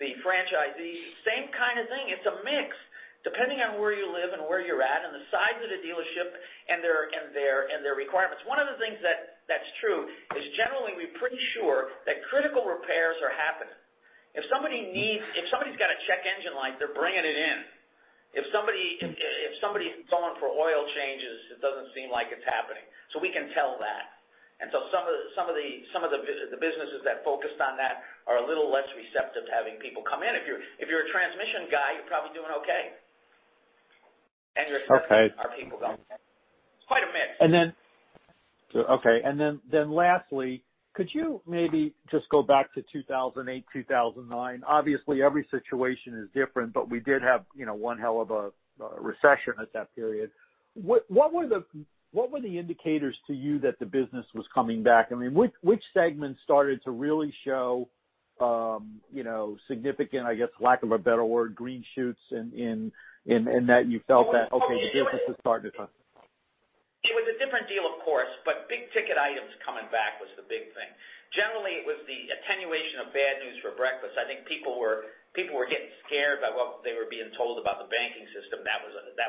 the franchisees, same kind of thing. It’s a mix depending on where you live and where you’re at and the size of the dealership and their requirements. One of the things that’s true is, generally, we’re pretty sure that critical repairs are happening. If somebody's got a check engine light, they're bringing it in. If somebody's going for oil changes, it doesn't seem like it's happening. We can tell that. Some of the businesses that focused on that are a little less receptive to having people come in. If you're a transmission guy, you're probably doing okay. Our people are going. It's quite a mix. Lastly, could you maybe just go back to 2008, 2009? Obviously, every situation is different, but we did have one hell of a recession at that period. What were the indicators to you that the business was coming back? I mean, which segments started to really show significant, I guess, for lack of a better word, green shoots, and that you felt that, okay, the business is starting to come back? It was a different deal, of course, but big-ticket items coming back was the big thing. Generally, it was the attenuation of bad news for breakfast. I think people were getting scared by what they were being told about the banking system that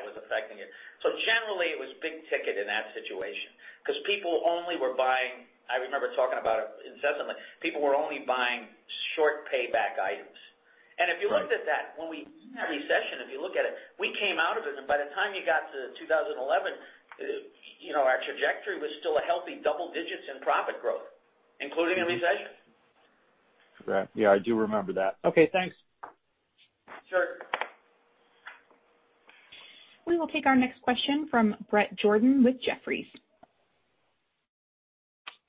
was affecting it. Generally, it was big-ticket in that situation because people only were buying—I remember talking about it incessantly. People were only buying short payback items. If you looked at that, when we had a recession, if you look at it, we came out of it. By the time you got to 2011, our trajectory was still a healthy double digits in profit growth, including a recession. Yeah. I do remember that. Okay. Thanks. Sure. We will take our next question from Bret Jordan with Jefferies.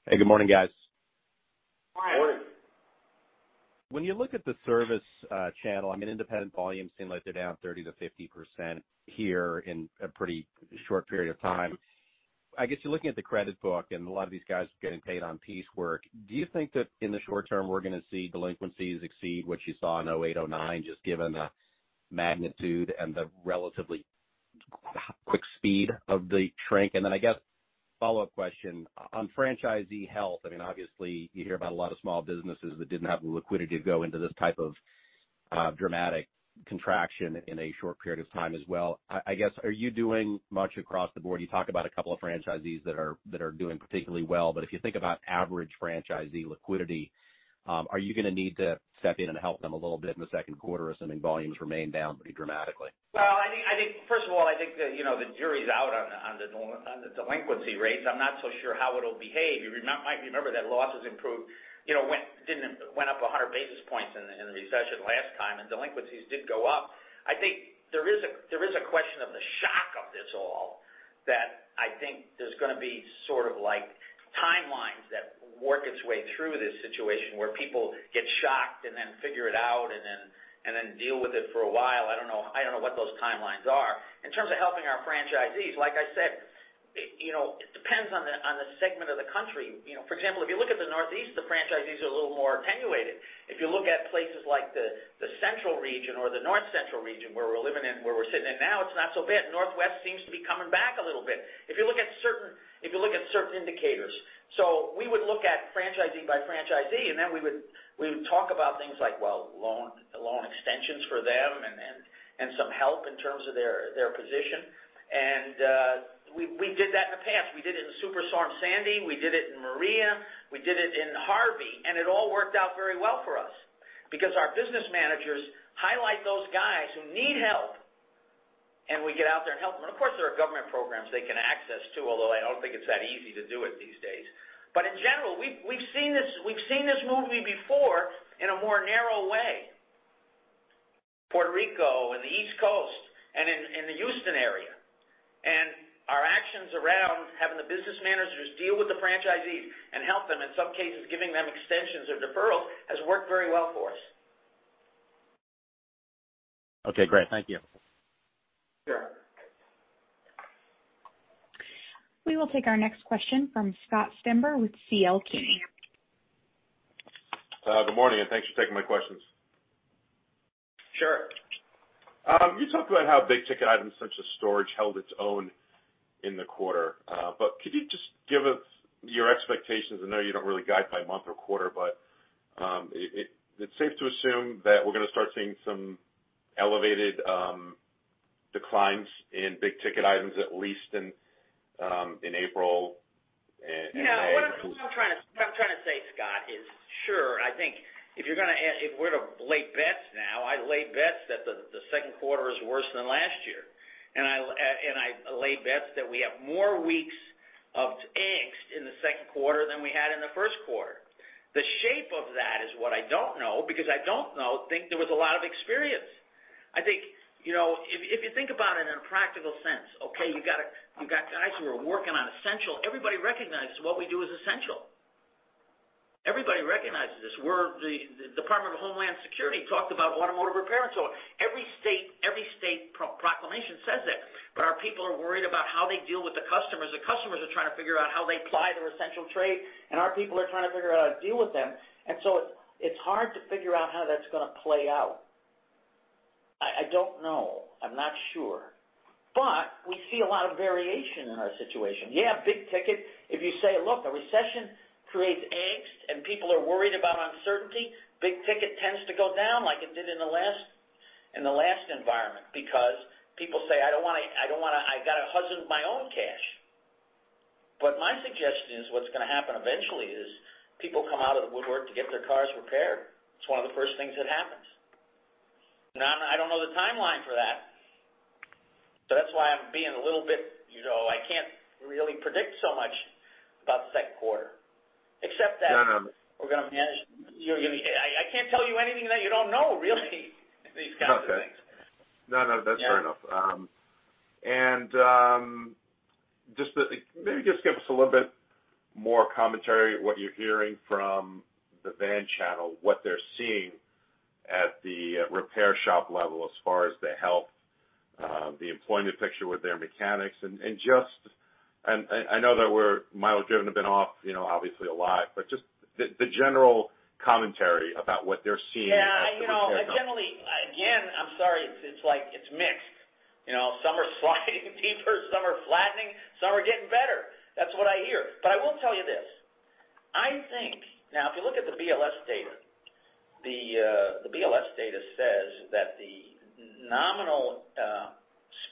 Hey, good morning, guys. Morning. Morning. When you look at the service channel, I mean, independent volumes seem like they're down 30-50% here in a pretty short period of time. I guess you're looking at the credit book, and a lot of these guys are getting paid on piecework. Do you think that in the short term, we're going to see delinquencies exceed what you saw in 2008, 2009, just given the magnitude and the relatively quick speed of the shrink? I guess follow-up question on franchisee health. I mean, obviously, you hear about a lot of small businesses that didn't have the liquidity to go into this type of dramatic contraction in a short period of time as well. I guess, are you doing much across the board? You talk about a couple of franchisees that are doing particularly well. If you think about average franchisee liquidity, are you going to need to step in and help them a little bit in the second quarter assuming volumes remain down pretty dramatically? I think, first of all, the jury's out on the delinquency rates. I'm not so sure how it'll behave. You might remember that losses improved. It went up 100 basis points in the recession last time, and delinquencies did go up. I think there is a question of the shock of this all that I think there's going to be sort of like timelines that work its way through this situation where people get shocked and then figure it out and then deal with it for a while. I don't know what those timelines are. In terms of helping our franchisees, like I said, it depends on the segment of the country. For example, if you look at the Northeast, the franchisees are a little more attenuated. If you look at places like the Central Region or the North Central Region where we're living in, where we're sitting in now, it's not so bad. Northwest seems to be coming back a little bit. If you look at certain—if you look at certain indicators. We would look at franchisee by franchisee, and then we would talk about things like, loan extensions for them and some help in terms of their position. We did that in the past. We did it in Superstorm Sandy. We did it in Maria. We did it in Harvey. It all worked out very well for us because our business managers highlight those guys who need help, and we get out there and help them. Of course, there are government programs they can access too, although I do not think it is that easy to do it these days. In general, we have seen this movie before in a more narrow way: Puerto Rico and the East Coast and in the Houston area. Our actions around having the business managers deal with the franchisees and help them, in some cases, giving them extensions or deferrals, has worked very well for us. Okay. Great. Thank you. Sure. We will take our next question from Scott Stember with CLP. Good morning, and thanks for taking my questions. Sure. You talked about how big-ticket items such as storage held its own in the quarter. Could you just give us your expectations? I know you do not really guide by month or quarter, but it is safe to assume that we are going to start seeing some elevated declines in big-ticket items at least in April and. No. What I am trying to say, Scott, is sure. I think if you are going to—if we are to lay bets now, I lay bets that the second quarter is worse than last year. And I lay bets that we have more weeks of angst in the second quarter than we had in the first quarter. The shape of that is what I do not know because I do not think there was a lot of experience. I think if you think about it in a practical sense, okay, you have got guys who are working on essential. Everybody recognizes what we do is essential. Everybody recognizes this. The Department of Homeland Security talked about automotive repair and so on. Every state proclamation says that. Our people are worried about how they deal with the customers. The customers are trying to figure out how they ply their essential trade, and our people are trying to figure out how to deal with them. It is hard to figure out how that is going to play out. I do not know. I am not sure. We see a lot of variation in our situation. Yeah, big-ticket. If you say, "Look, a recession creates angst, and people are worried about uncertainty," big-ticket tends to go down like it did in the last environment because people say, "I do not want to—I got to husband my own cash." My suggestion is what is going to happen eventually is people come out of the woodwork to get their cars repaired. It is one of the first things that happens. I do not know the timeline for that. That is why I'm being a little bit—I can't really predict so much about the second quarter, except that we're going to manage—I can't tell you anything that you don't know, really, these kinds of things. No, no. That is fair enough. Maybe just give us a little bit more commentary on what you're hearing from the van channel, what they're seeing at the repair shop level as far as the health, the employment picture with their mechanics. I know that we're—Michael Jordan has been off, obviously, a lot, but just the general commentary about what they're seeing in the second quarter. Yeah. Again, I'm sorry, it's mixed. Some are sliding deeper. Some are flattening. Some are getting better. That is what I hear. I will tell you this. Now, if you look at the BLS data, the BLS data says that the nominal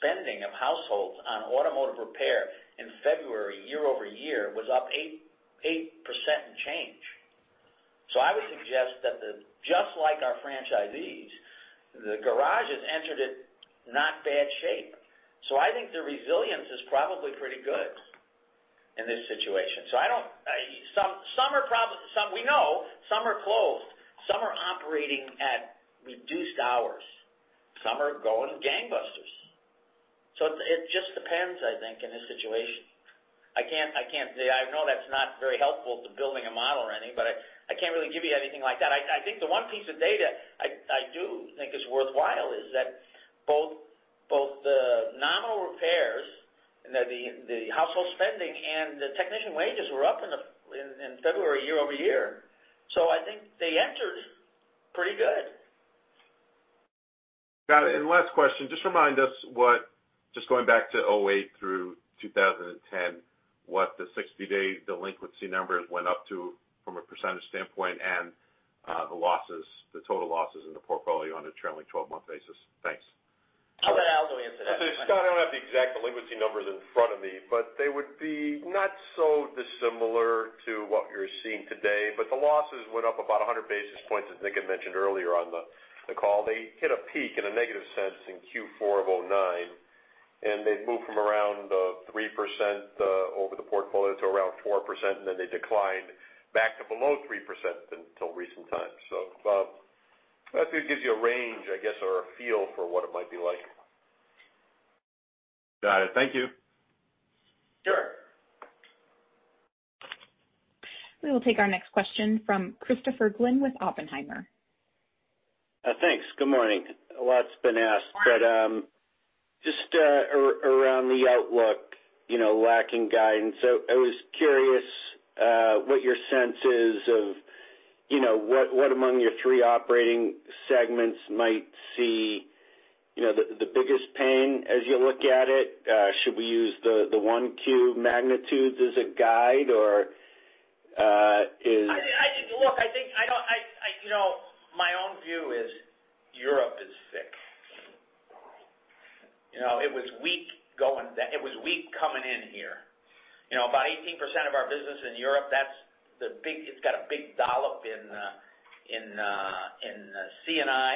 spending of households on automotive repair in February, year over year, was up 8% and change. I would suggest that just like our franchisees, the garages entered a not-bad shape. I think the resilience is probably pretty good in this situation. Some are probably—we know some are closed. Some are operating at reduced hours. Some are going gangbusters. It just depends, I think, in this situation. I know that's not very helpful to building a model or anything, but I can't really give you anything like that. I think the one piece of data I do think is worthwhile is that both the nominal repairs and the household spending and the technician wages were up in February year over year. I think they entered pretty good. Got it. Last question. Just remind us what—just going back to 2008 through 2010, what the 60-day delinquency numbers went up to from a % standpoint and the total losses in the portfolio on a trailing 12-month basis. Thanks. I'll let Aldo go answer that. Scott, I don't have the exact delinquency numbers in front of me, but they would be not so dissimilar to what you're seeing today. The losses went up about 100 basis points, as Nick had mentioned earlier on the call. They hit a peak in a negative sense in Q4 of 2009, and they moved from around 3% over the portfolio to around 4%, and then they declined back to below 3% until recent times. That gives you a range, I guess, or a feel for what it might be like. Got it. Thank you. Sure. We will take our next question from Christopher Glynn with Oppenheimer. Thanks. Good morning. A lot's been asked, but just around the outlook, lacking guidance. I was curious what your sense is of what among your three operating segments might see the biggest pain as you look at it. Should we use the 1Q magnitudes as a guide, or is Look, I think my own view is Europe is sick. It was weak going—it was weak coming in here. About 18% of our business in Europe, that's the big—it's got a big dollop in CNI.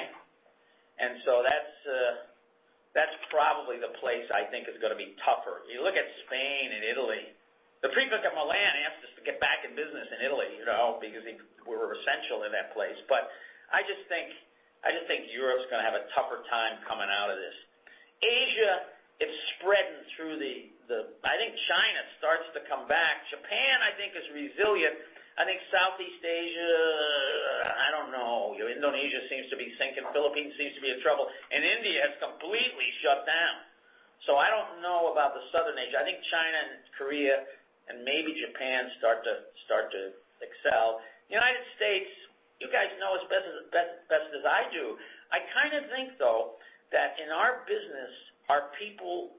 And so that's probably the place I think is going to be tougher. You look at Spain and Italy. The pre-book of Milan asked us to get back in business in Italy because we were essential in that place. I just think Europe's going to have a tougher time coming out of this. Asia, it's spreading through the—I think China starts to come back. Japan, I think, is resilient. I think Southeast Asia—I don't know. Indonesia seems to be sinking. Philippines seems to be in trouble. And India has completely shut down. So I don't know about the Southern Asia. I think China and Korea and maybe Japan start to excel. The United States, you guys know as best as I do. I kind of think, though, that in our business, our people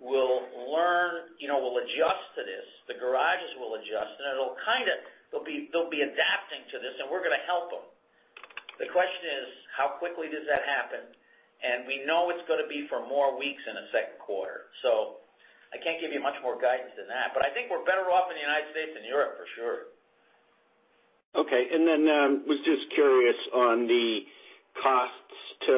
will learn, will adjust to this. The garages will adjust, and they'll be adapting to this, and we're going to help them. The question is, how quickly does that happen? And we know it's going to be for more weeks in the second quarter. So I can't give you much more guidance than that. But I think we're better off in the United States than Europe for sure. Okay. I was just curious on the costs to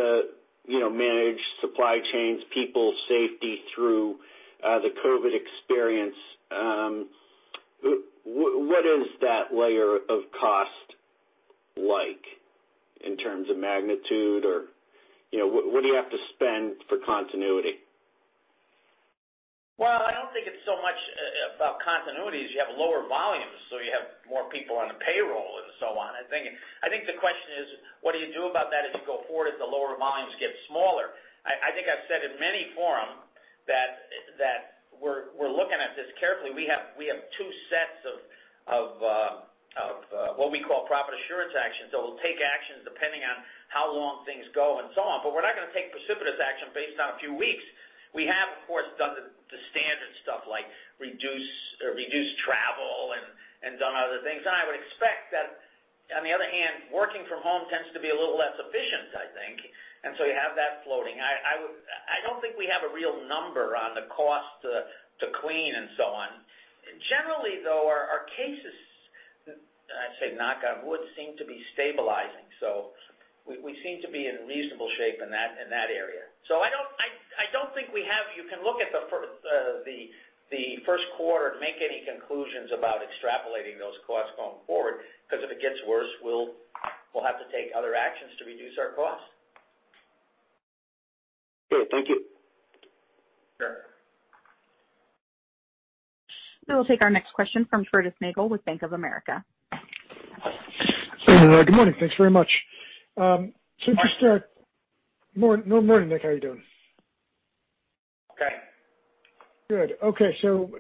manage supply chains, people, safety through the COVID experience. What is that layer of cost like in terms of magnitude, or what do you have to spend for continuity? I do not think it is so much about continuity as you have lower volumes, so you have more people on the payroll and so on. I think the question is, what do you do about that as you go forward as the lower volumes get smaller? I think I have said in many forums that we are looking at this carefully. We have two sets of what we call profit assurance actions. We will take actions depending on how long things go and so on. We are not going to take precipitous action based on a few weeks. We have, of course, done the standard stuff like reduce travel and done other things. I would expect that, on the other hand, working from home tends to be a little less efficient, I think. You have that floating. I do not think we have a real number on the cost to clean and so on. Generally, though, our cases, I would say knock on wood, seem to be stabilizing. We seem to be in reasonable shape in that area. I do not think you can look at the first quarter and make any conclusions about extrapolating those costs going forward because if it gets worse, we will have to take other actions to reduce our costs. Good. Thank you. Sure. We will take our next question from Curtis Nagle with Bank of America. Good morning. Thanks very much. No, morning, Nick. How are you doing? Okay. Good. Okay.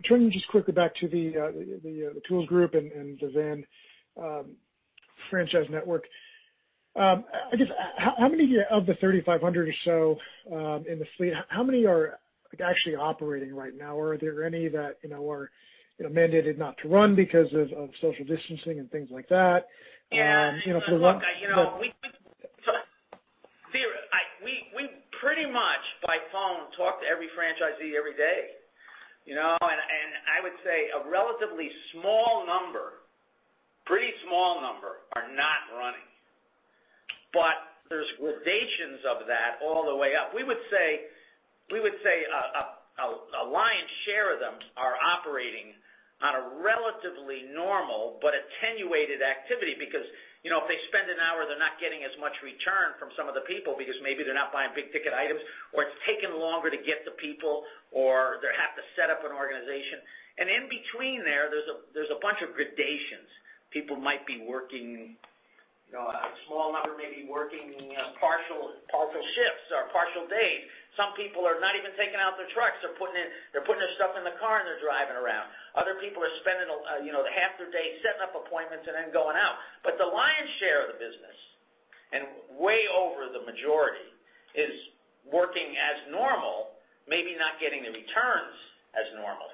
Turning just quickly back to the tools group and the van franchise network. I guess how many of the 3,500 or so in the fleet, how many are actually operating right now? Are there any that are mandated not to run because of social distancing and things like that? For the one Zero. We pretty much by phone talk to every franchisee every day. I would say a relatively small number, pretty small number, are not running. There are gradations of that all the way up. We would say a lion's share of them are operating on a relatively normal but attenuated activity because if they spend an hour, they are not getting as much return from some of the people because maybe they are not buying big-ticket items or it is taking longer to get the people or they have to set up an organization. In between there, there is a bunch of gradations. People might be working—a small number may be working partial shifts or partial days. Some people are not even taking out their trucks. They are putting their stuff in the car and they are driving around. Other people are spending half their day setting up appointments and then going out. The lion's share of the business, and way over the majority, is working as normal, maybe not getting the returns as normal.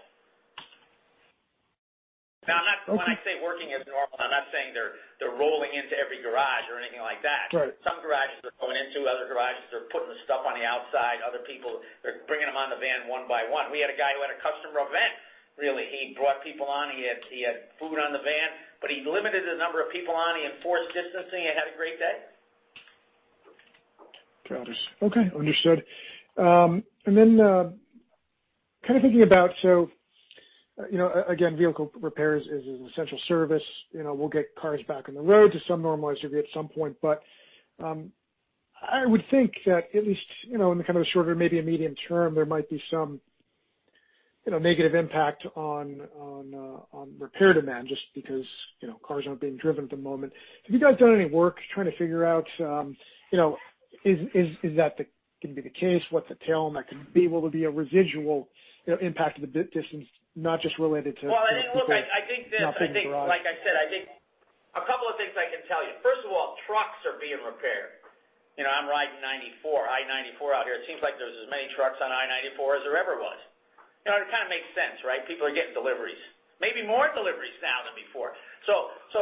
Now, when I say working as normal, I am not saying they are rolling into every garage or anything like that. Some garages are going into other garages. They are putting the stuff on the outside. Other people, they are bringing them on the van one by one. We had a guy who had a customer event, really. He brought people on. He had food on the van. He limited the number of people on. He enforced distancing. He had a great day. Got it. Okay. Understood. Kind of thinking about—vehicle repairs is an essential service. We'll get cars back on the road to some normalized degree at some point. I would think that at least in the shorter, maybe medium term, there might be some negative impact on repair demand just because cars are not being driven at the moment. Have you guys done any work trying to figure out if that is going to be the case? What is the tell on that, could there be a residual impact of the distance, not just related to— I think, look, I think that— not for the garages. Like I said, I think a couple of things I can tell you. First of all, trucks are being repaired. I'm riding I-94 out here. It seems like there's as many trucks on I-94 as there ever was. It kind of makes sense, right? People are getting deliveries. Maybe more deliveries now than before. Trucks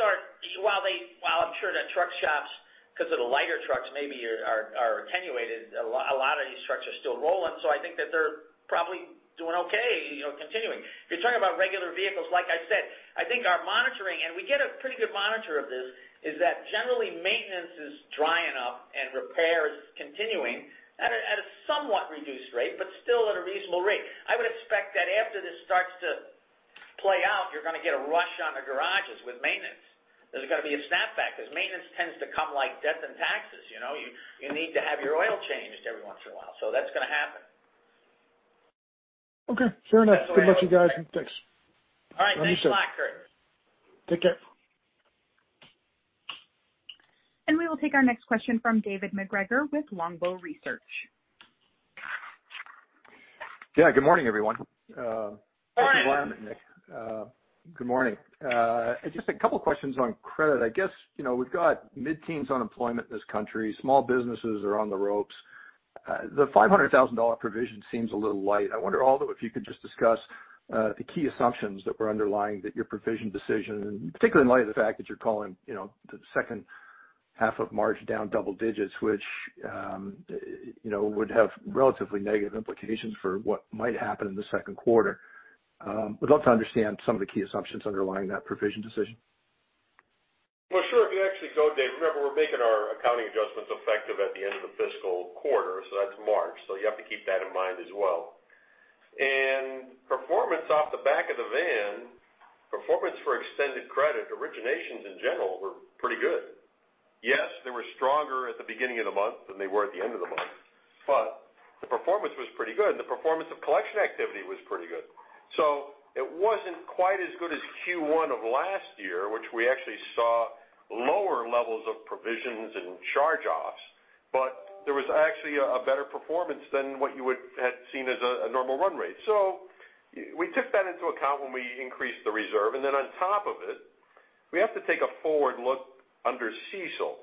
are—I'm sure that truck shops, because of the lighter trucks, maybe are attenuated. A lot of these trucks are still rolling. I think that they're probably doing okay continuing. You're talking about regular vehicles. Like I said, I think our monitoring—and we get a pretty good monitor of this—is that generally maintenance is drying up and repairs continuing at a somewhat reduced rate, but still at a reasonable rate. I would expect that after this starts to play out, you're going to get a rush on the garages with maintenance. There's going to be a snapback because maintenance tends to come like debt and taxes. You need to have your oil changed every once in a while. That is going to happen. Okay. Fair enough. Good luck to you guys. Thanks. All right. Thank you. Thanks a lot, Curt. Take care. We will take our next question from David MacGregor with Longbow Research. Yeah. Good morning, everyone. Morning. Good morning, Nick. Good morning. Just a couple of questions on credit. I guess we have got mid-teens unemployment in this country. Small businesses are on the ropes. The $500,000 provision seems a little light. I wonder, Aldo, if you could just discuss the key assumptions that were underlying your provision decision, particularly in light of the fact that you are calling the second half of March down double digits, which would have relatively negative implications for what might happen in the second quarter. Would love to understand some of the key assumptions underlying that provision decision. If you actually go—Remember, we're making our accounting adjustments effective at the end of the fiscal quarter. That is March. You have to keep that in mind as well. Performance off the back of the van, performance for extended credit, originations in general were pretty good. Yes, they were stronger at the beginning of the month than they were at the end of the month. The performance was pretty good. The performance of collection activity was pretty good. It was not quite as good as Q1 of last year, which we actually saw lower levels of provisions and charge-offs. There was actually a better performance than what you had seen as a normal run rate. We took that into account when we increased the reserve. On top of it, we have to take a forward look under CECL.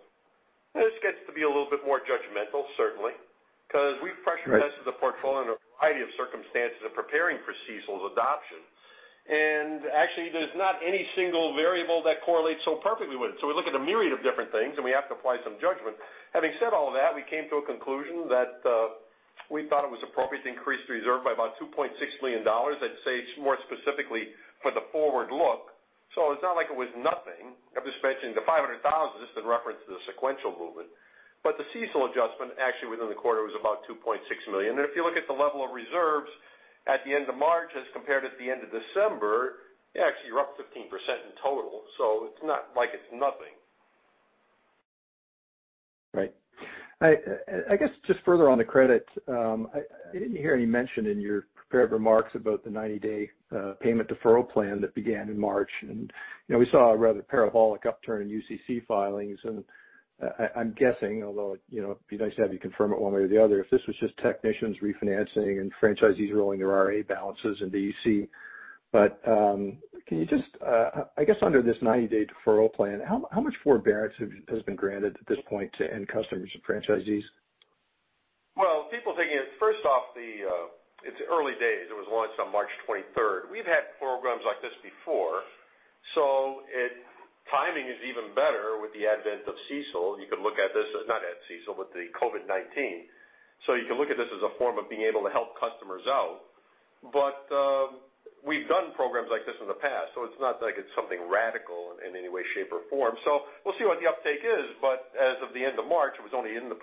This gets to be a little bit more judgmental, certainly, because we've pressured the rest of the portfolio in a variety of circumstances of preparing for CECL's adoption. Actually, there's not any single variable that correlates so perfectly with it. We look at a myriad of different things, and we have to apply some judgment. Having said all that, we came to a conclusion that we thought it was appropriate to increase the reserve by about $2.6 million. I'd say more specifically for the forward look. It's not like it was nothing. I'm just mentioning the $500,000 just in reference to the sequential movement. The CECL adjustment, actually, within the quarter was about $2.6 million. If you look at the level of reserves at the end of March as compared at the end of December, yeah, actually, you're up 15% in total. It's not like it's nothing. Right. I guess just further on the credit, I didn't hear any mention in your prepared remarks about the 90-day payment deferral plan that began in March. We saw a rather parabolic upturn in UCC filings. I'm guessing, although it'd be nice to have you confirm it one way or the other, if this was just technicians refinancing and franchisees rolling their RA balances into UC. Can you just, I guess, under this 90-day deferral plan, how much forbearance has been granted at this point to end customers and franchisees? People thinking it's first off, it's early days. It was launched on March 23. We've had programs like this before. Timing is even better with the advent of CECL. You could look at this—not at CECL—with the COVID-19. You can look at this as a form of being able to help customers out. We have done programs like this in the past, so it is not like it is something radical in any way, shape, or form. We will see what the uptake is. As of the end of March, it was only in the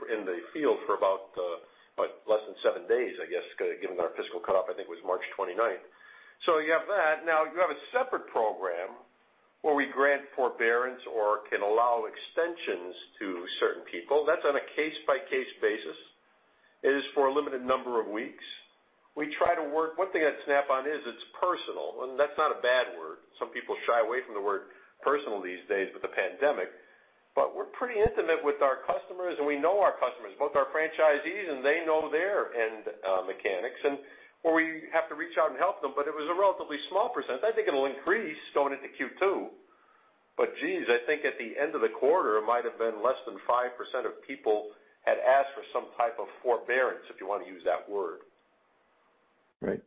field for less than seven days, I guess, given our fiscal cut-off. I think it was March 29. You have that. Now, you have a separate program where we grant forbearance or can allow extensions to certain people. That is on a case-by-case basis. It is for a limited number of weeks. We try to work—one thing at Snap-on is it is personal. That is not a bad word. Some people shy away from the word personal these days with the pandemic. We're pretty intimate with our customers, and we know our customers, both our franchisees and they know their end mechanics. We have to reach out and help them. It was a relatively small percentage. I think it'll increase going into Q2. Jeez, I think at the end of the quarter, it might have been less than 5% of people had asked for some type of forbearance, if you want to use that word. Right.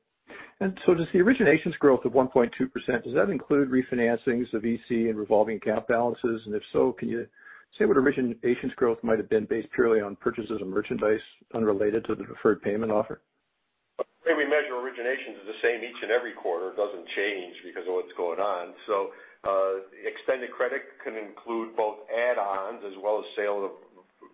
Does the originations growth of 1.2% include refinancings of EC and revolving account balances? If so, can you say what originations growth might have been based purely on purchases of merchandise unrelated to the deferred payment offer? The way we measure originations is the same each and every quarter. It doesn't change because of what's going on. Extended credit can include both add-ons as well as sale of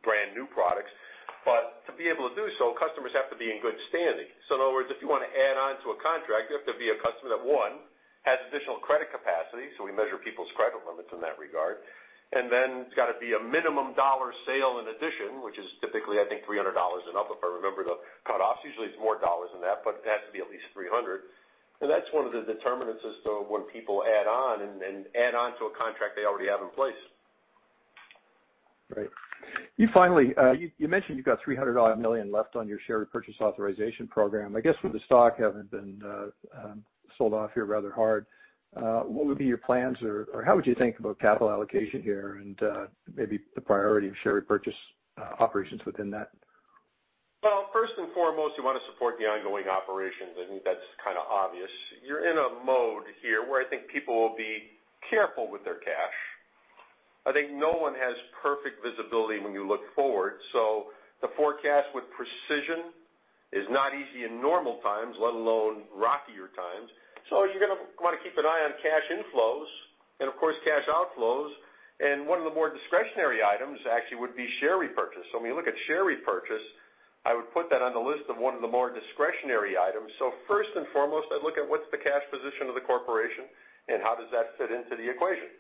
brand new products. To be able to do so, customers have to be in good standing. In other words, if you want to add on to a contract, you have to be a customer that, one, has additional credit capacity. We measure people's credit limits in that regard. It has to be a minimum dollar sale in addition, which is typically, I think, $300 and up if I remember the cutoffs. Usually, it is more dollars than that, but it has to be at least $300. That is one of the determinants as to when people add on and add on to a contract they already have in place. Right. Finally, you mentioned you have $300 million left on your share purchase authorization program. I guess with the stock having been sold off here rather hard, what would be your plans or how would you think about capital allocation here and maybe the priority of share repurchase operations within that? First and foremost, you want to support the ongoing operations. I think that's kind of obvious. You're in a mode here where I think people will be careful with their cash. I think no one has perfect visibility when you look forward. To forecast with precision is not easy in normal times, let alone rockier times. You're going to want to keep an eye on cash inflows and, of course, cash outflows. One of the more discretionary items actually would be share repurchase. When you look at share repurchase, I would put that on the list of one of the more discretionary items. First and foremost, I'd look at what's the cash position of the corporation and how does that fit into the equation.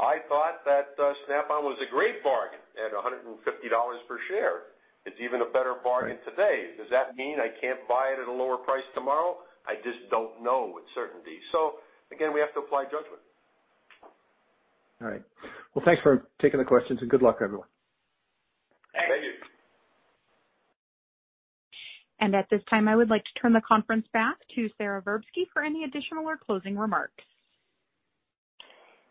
I thought that Snap-on was a great bargain at $150 per share. It's even a better bargain today. Does that mean I can't buy it at a lower price tomorrow? I just don't know with certainty. Again, we have to apply judgment. All right. Thanks for taking the questions and good luck, everyone. Thank you. Thank you. At this time, I would like to turn the conference back to Sara Verbsky for any additional or closing remarks.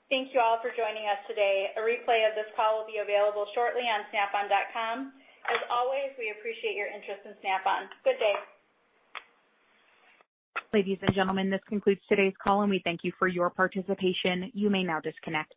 Thank you all for joining us today. A replay of this call will be available shortly on snap-on.com. As always, we appreciate your interest in Snap-on. Good day. Ladies and gentlemen, this concludes today's call, and we thank you for your participation. You may now disconnect.